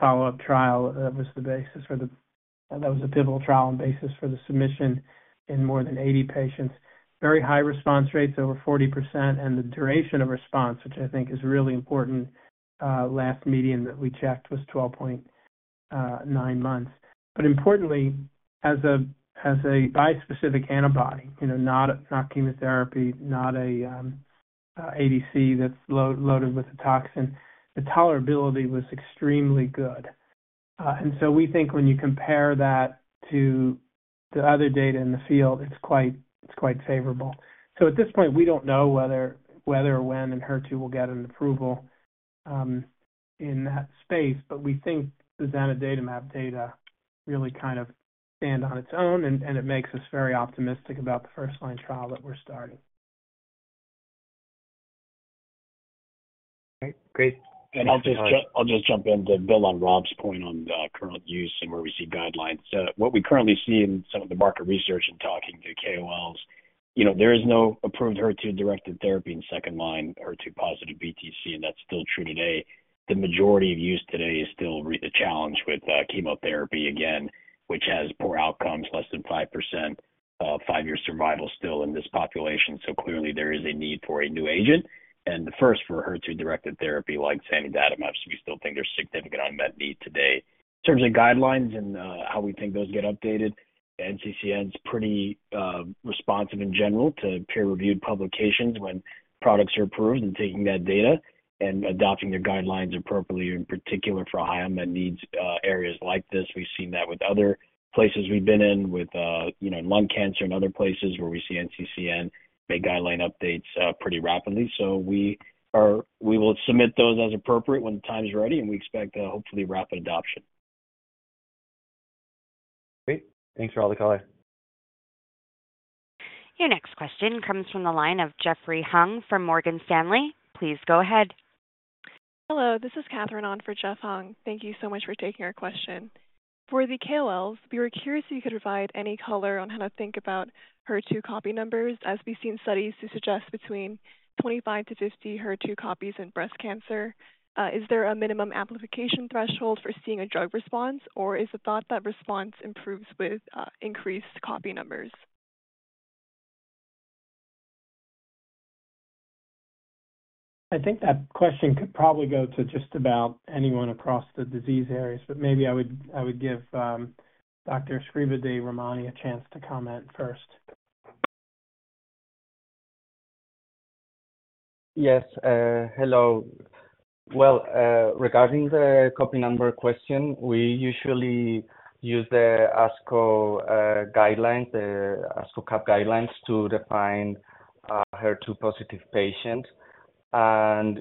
follow-up trial that was the basis for that was a pivotal trial and basis for the submission in more than 80 patients. Very high response rates, over 40%, and the duration of response, which I think is really important. Last median that we checked was 12.9 months. But importantly, as a bispecific antibody, not chemotherapy, not an ADC that's loaded with a toxin, the tolerability was extremely good. And so we think when you compare that to the other data in the field, it's quite favorable. So at this point, we don't know whether or when Enhertu will get an approval in that space, but we think the zanidatamab data really kind of stand on its own, and it makes us very optimistic about the first-line trial that we're starting. Great. Great. And I'll just jump in to build on Rob's point on current use and where we see guidelines. What we currently see in some of the market research and talking to KOLs, there is no approved HER2-directed therapy in second-line HER2-positive BTC, and that's still true today. The majority of use today is still a challenge with chemotherapy, again, which has poor outcomes, less than 5% five-year survival still in this population. So clearly, there is a need for a new agent. First, for HER2-directed therapy like zanidatamab, we still think there's significant unmet need today. In terms of guidelines and how we think those get updated, NCCN is pretty responsive in general to peer-reviewed publications when products are approved and taking that data and adopting their guidelines appropriately. In particular, for high unmet needs areas like this, we've seen that with other places we've been in, with lung cancer and other places where we see NCCN make guideline updates pretty rapidly. So we will submit those as appropriate when the time's ready, and we expect hopefully rapid adoption. Great. Thanks, Rob and Kohler. Your next question comes from the line of Jeffrey Hung from Morgan Stanley. Please go ahead. Hello. This is Katherine on for Jeff Hung. Thank you so much for taking our question. For the KOLs, we were curious if you could provide any color on how to think about HER2 copy numbers as we've seen studies to suggest between 25-50 HER2 copies in breast cancer. Is there a minimum amplification threshold for seeing a drug response, or is the thought that response improves with increased copy numbers? I think that question could probably go to just about anyone across the disease areas, but maybe I would give Dr. Scribadee Rahmani a chance to comment first. Yes. Hello. Well, regarding the copy number question, we usually use the ASCO guidelines, the ASCO-CAP guidelines, to define HER2-positive patients.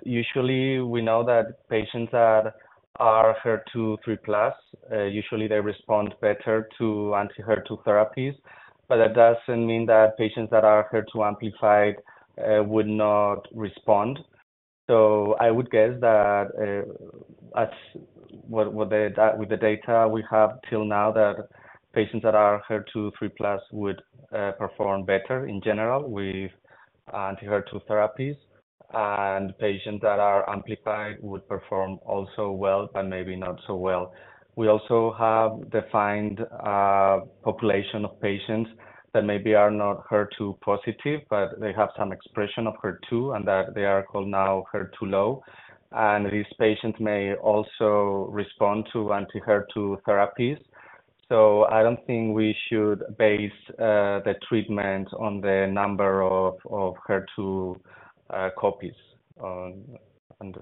Usually, we know that patients that are HER2/3+, usually they respond better to anti-HER2 therapies. That doesn't mean that patients that are HER2-amplified would not respond. So I would guess that with the data we have till now, that patients that are HER2 3+ would perform better in general with anti-HER2 therapies. And patients that are amplified would perform also well but maybe not so well. We also have defined a population of patients that maybe are not HER2-positive, but they have some expression of HER2 and that they are called now HER2-low. And these patients may also respond to anti-HER2 therapies. So I don't think we should base the treatment on the number of HER2 copies. And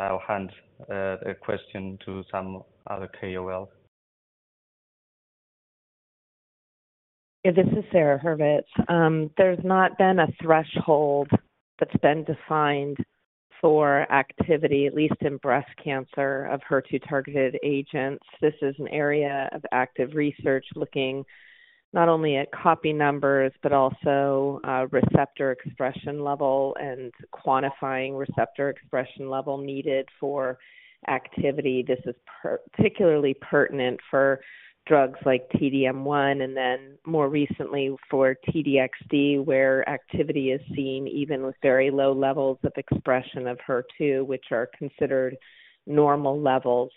I'll hand the question to some other KOL. Yeah. This is Sara Hurvitz. There's not been a threshold that's been defined for activity, at least in breast cancer, of HER2-targeted agents. This is an area of active research looking not only at copy numbers but also receptor expression level and quantifying receptor expression level needed for activity. This is particularly pertinent for drugs like T-DM1 and then more recently for T-DXd, where activity is seen even with very low levels of expression of HER2, which are considered normal levels.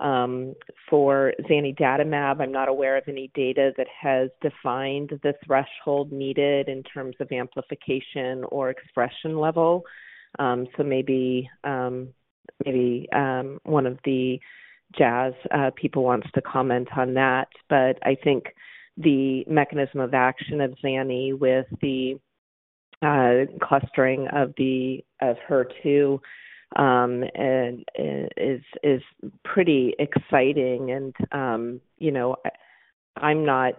For Zanidatamab, I'm not aware of any data that has defined the threshold needed in terms of amplification or expression level. So maybe one of the Jazz people wants to comment on that. But I think the mechanism of action of Zanidatamab with the clustering of HER2 is pretty exciting. And I'm not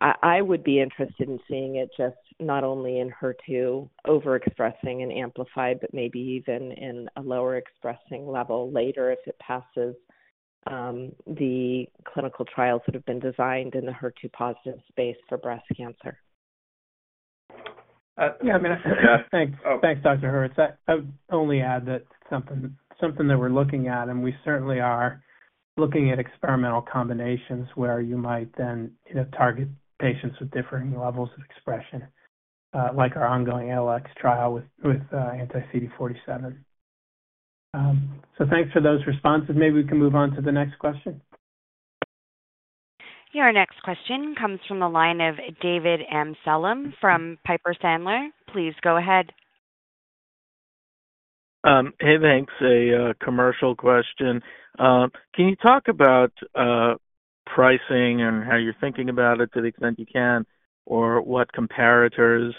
I would be interested in seeing it just not only in HER2 overexpressing and amplified but maybe even in a lower expressing level later if it passes the clinical trials that have been designed in the HER2-positive space for breast cancer. Yeah. I mean, thanks, Dr. Hurvitz. I would only add that it's something that we're looking at, and we certainly are looking at experimental combinations where you might then target patients with differing levels of expression like our ongoing ALX trial with anti-CD47. So thanks for those responses. Maybe we can move on to the next question. Your next question comes from the line of David Amsellem from Piper Sandler. Please go ahead. Hey. Thanks. A commercial question. Can you talk about pricing and how you're thinking about it to the extent you can or what comparators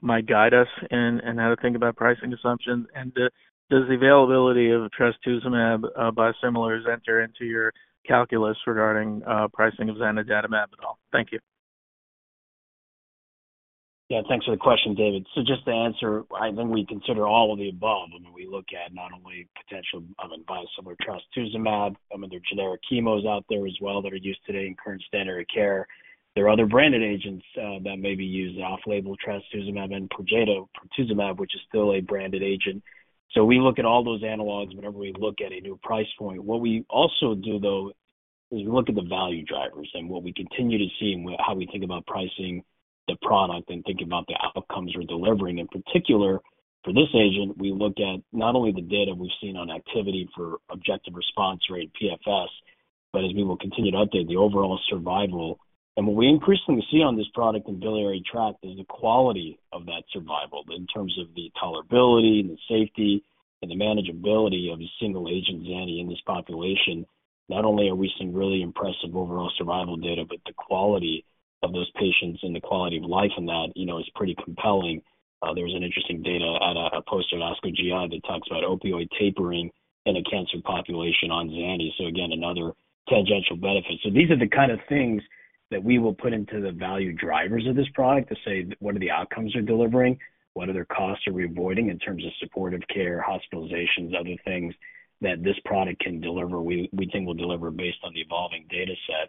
might guide us in how to think about pricing assumptions? And does the availability of trastuzumab biosimilars enter into your calculus regarding pricing of zanidatamab at all? Thank you. Yeah. Thanks for the question, David. So just to answer, I think we consider all of the above. I mean, we look at not only potential. And biosimilar trastuzumab. I mean, there are generic chemos out there as well that are used today in current standard of care. There are other branded agents that may be used: off-label trastuzumab and Perjeta, pertuzumab, which is still a branded agent. So we look at all those analogs whenever we look at a new price point. What we also do, though, is we look at the value drivers and what we continue to see and how we think about pricing the product and thinking about the outcomes we're delivering. In particular, for this agent, we look at not only the data we've seen on activity for objective response rate and PFS but, as we will continue to update, the overall survival. And what we increasingly see on this product in biliary tract is the quality of that survival in terms of the tolerability and the safety and the manageability of a single agent, zanidatamab, in this population. Not only are we seeing really impressive overall survival data, but the quality of those patients and the quality of life in that is pretty compelling. There's an interesting data at a poster at ASCO-GI that talks about opioid tapering in a cancer population on zanidatamab. So again, another tangential benefit. So these are the kind of things that we will put into the value drivers of this product to say what are the outcomes we're delivering, what other costs are we avoiding in terms of supportive care, hospitalizations, other things that this product can deliver, we think will deliver based on the evolving dataset.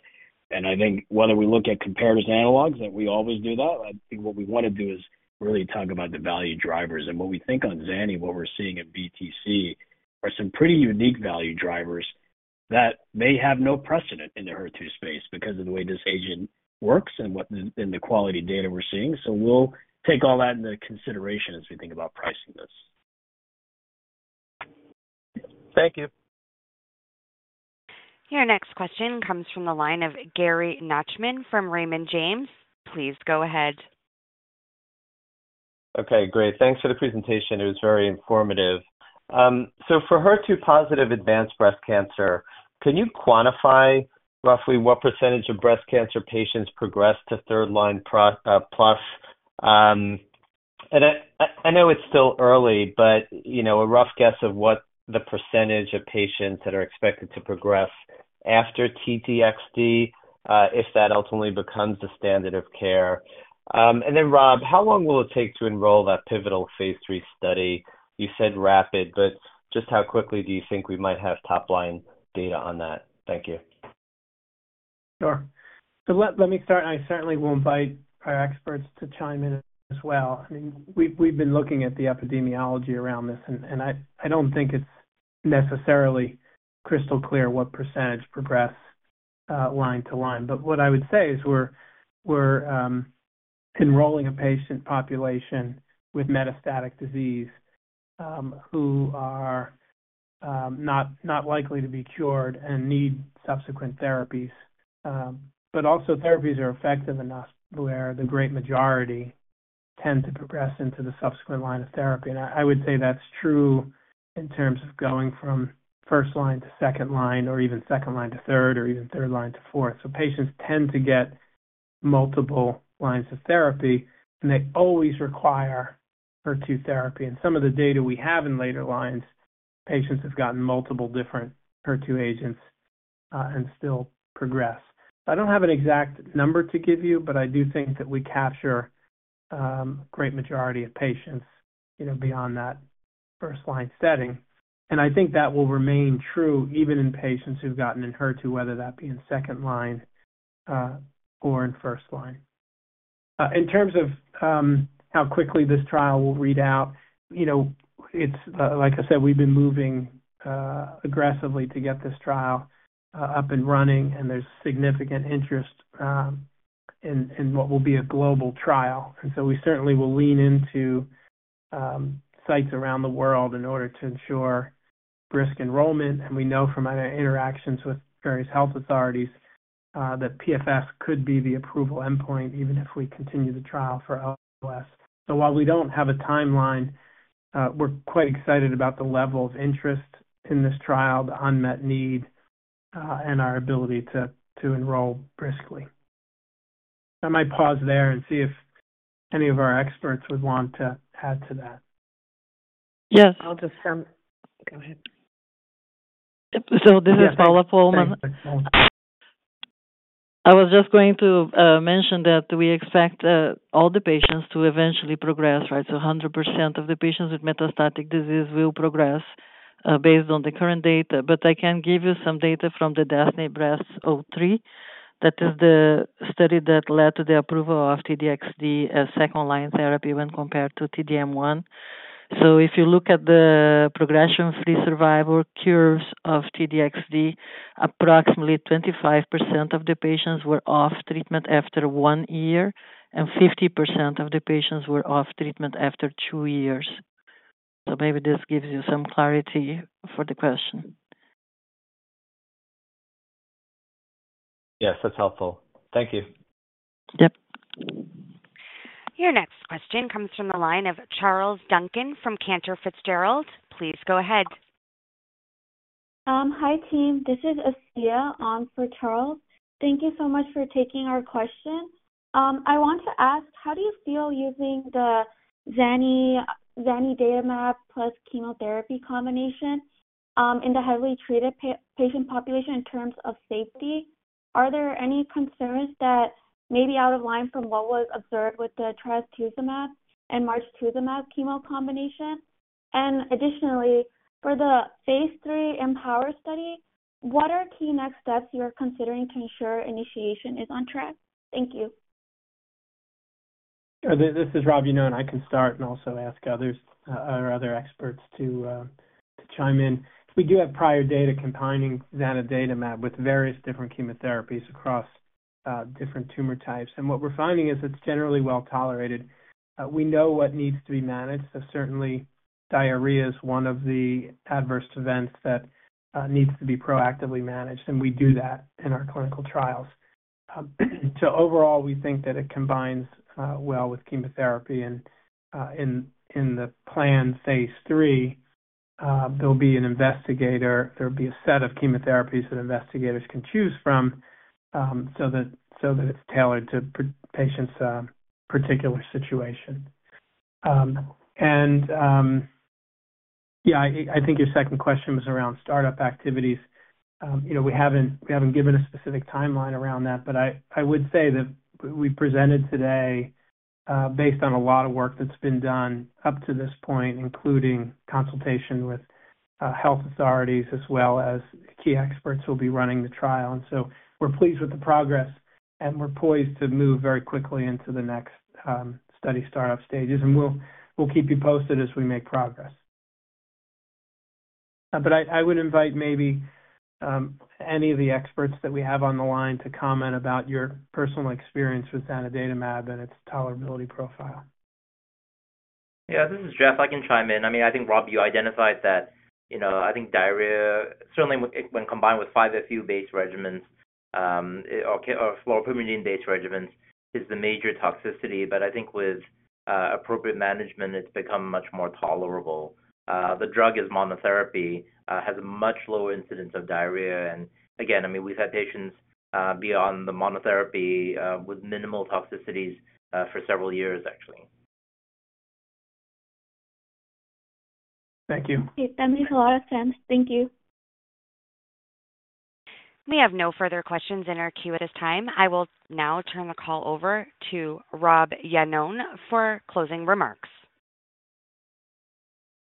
I think whether we look at comparators and analogs, that we always do that. I think what we want to do is really talk about the value drivers. What we think on Zanidatamab, what we're seeing in BTC are some pretty unique value drivers that may have no precedent in the HER2 space because of the way this agent works and the quality data we're seeing. We'll take all that into consideration as we think about pricing this. Thank you. Your next question comes from the line of Gary Nachman from Raymond James. Please go ahead. Okay. Great. Thanks for the presentation. It was very informative. So for HER2-positive advanced breast cancer, can you quantify roughly what percentage of breast cancer patients progress to third-line plus? I know it's still early, but a rough guess of what the percentage of patients that are expected to progress after T-DXd if that ultimately becomes the standard of care. And then, Rob, how long will it take to enroll that pivotal Phase III study? You said rapid, but just how quickly do you think we might have top-line data on that? Thank you. Sure. Let me start. I certainly won't invite our experts to chime in as well. I mean, we've been looking at the epidemiology around this, and I don't think it's necessarily crystal clear what percentage progress line to line. But what I would say is we're enrolling a patient population with metastatic disease who are not likely to be cured and need subsequent therapies. But also, therapies are effective enough where the great majority tend to progress into the subsequent line of therapy. I would say that's true in terms of going from first-line to second-line or even second-line to third or even third-line to fourth. So patients tend to get multiple lines of therapy, and they always require HER2 therapy. And some of the data we have in later lines, patients have gotten multiple different HER2 agents and still progress. I don't have an exact number to give you, but I do think that we capture a great majority of patients beyond that first-line setting. And I think that will remain true even in patients who've gotten Enhertu, whether that be in second-line or in first-line. In terms of how quickly this trial will read out, like I said, we've been moving aggressively to get this trial up and running, and there's significant interest in what will be a global trial. And so we certainly will lean into sites around the world in order to ensure brisk enrollment. And we know from our interactions with various health authorities that PFS could be the approval endpoint even if we continue the trial for OS. So while we don't have a timeline, we're quite excited about the level of interest in this trial, the unmet need, and our ability to enroll briskly. I might pause there and see if any of our experts would want to add to that. Yes. I'll just go ahead. Yep. So this is Paula Pohlmann. I was just going to mention that we expect all the patients to eventually progress, right? So 100% of the patients with metastatic disease will progress based on the current data. But I can give you some data from the DESTINY-Breast03. That is the study that led to the approval of T-DXd as second-line therapy when compared to T-DM1. So if you look at the progression-free survival curves of T-DXd, approximately 25% of the patients were off treatment after one year, and 50% of the patients were off treatment after two years. So maybe this gives you some clarity for the question. Yes. That's helpful. Thank you. Yep. Your next question comes from the line of Charles Duncan from Cantor Fitzgerald. Please go ahead. Hi, team. This is Asiya on for Charles. Thank you so much for taking our question. I want to ask, how do you feel using the Zanidatamab plus chemotherapy combination in the heavily treated patient population in terms of safety? Are there any concerns that may be out of line from what was observed with the trastuzumab and margetuximab chemo combination? Additionally, for the Phase III EmpowHER study, what are key next steps you are considering to ensure initiation is on track? Thank you. This is Rob Iannone. I can start and also ask others or other experts to chime in. We do have prior data combining zanidatamab with various different chemotherapies across different tumor types. What we're finding is it's generally well tolerated. We know what needs to be managed. Certainly, diarrhea is one of the adverse events that needs to be proactively managed, and we do that in our clinical trials. Overall, we think that it combines well with chemotherapy. In the planned Phase III, there'll be an investigator. There'll be a set of chemotherapies that investigators can choose from so that it's tailored to patients' particular situation. Yeah, I think your second question was around startup activities. We haven't given a specific timeline around that, but I would say that we presented today based on a lot of work that's been done up to this point, including consultation with health authorities as well as key experts who'll be running the trial. So we're pleased with the progress, and we're poised to move very quickly into the next study startup stages. We'll keep you posted as we make progress. But I would invite maybe any of the experts that we have on the line to comment about your personal experience with zanidatamab and its tolerability profile. Yeah. This is Jeff. I can chime in. I mean, I think, Rob, you identified that I think diarrhea, certainly when combined with 5-FU-based regimens or fluoropyrimidine-based regimens, is the major toxicity. But I think with appropriate management, it's become much more tolerable. The drug is monotherapy, has a much lower incidence of diarrhea. And again, I mean, we've had patients be on the monotherapy with minimal toxicities for several years, actually. Thank you. That makes a lot of sense. Thank you. We have no further questions in our queue at this time. I will now turn the call over to Rob Iannone for closing remarks.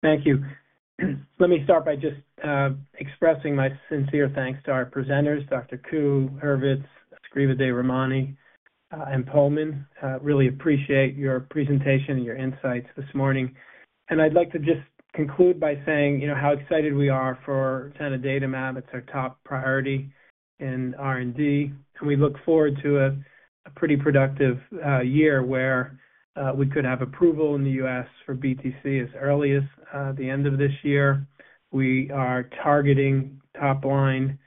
Thank you. Let me start by just expressing my sincere thanks to our presenters, Dr. Ku, Hurvitz, Santiago Escrivá-de-Romaní, and Pohlmann. Really appreciate your presentation and your insights this morning. And I'd like to just conclude by saying how excited we are for Zanidatamab. It's our top priority in R&D. And we look forward to a pretty productive year where we could have approval in the U.S. for BTC as early as the end of this year. We are targeting top-line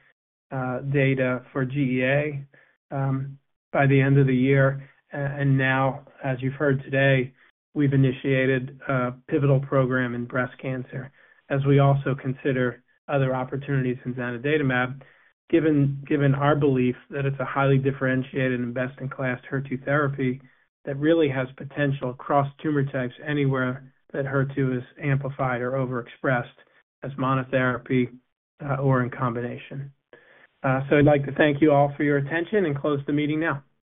data for GEA by the end of the year. Now, as you've heard today, we've initiated a pivotal program in breast cancer as we also consider other opportunities in zanidatamab, given our belief that it's a highly differentiated and best-in-class HER2 therapy that really has potential across tumor types anywhere that HER2 is amplified or overexpressed as monotherapy or in combination. So I'd like to thank you all for your attention and close the meeting now.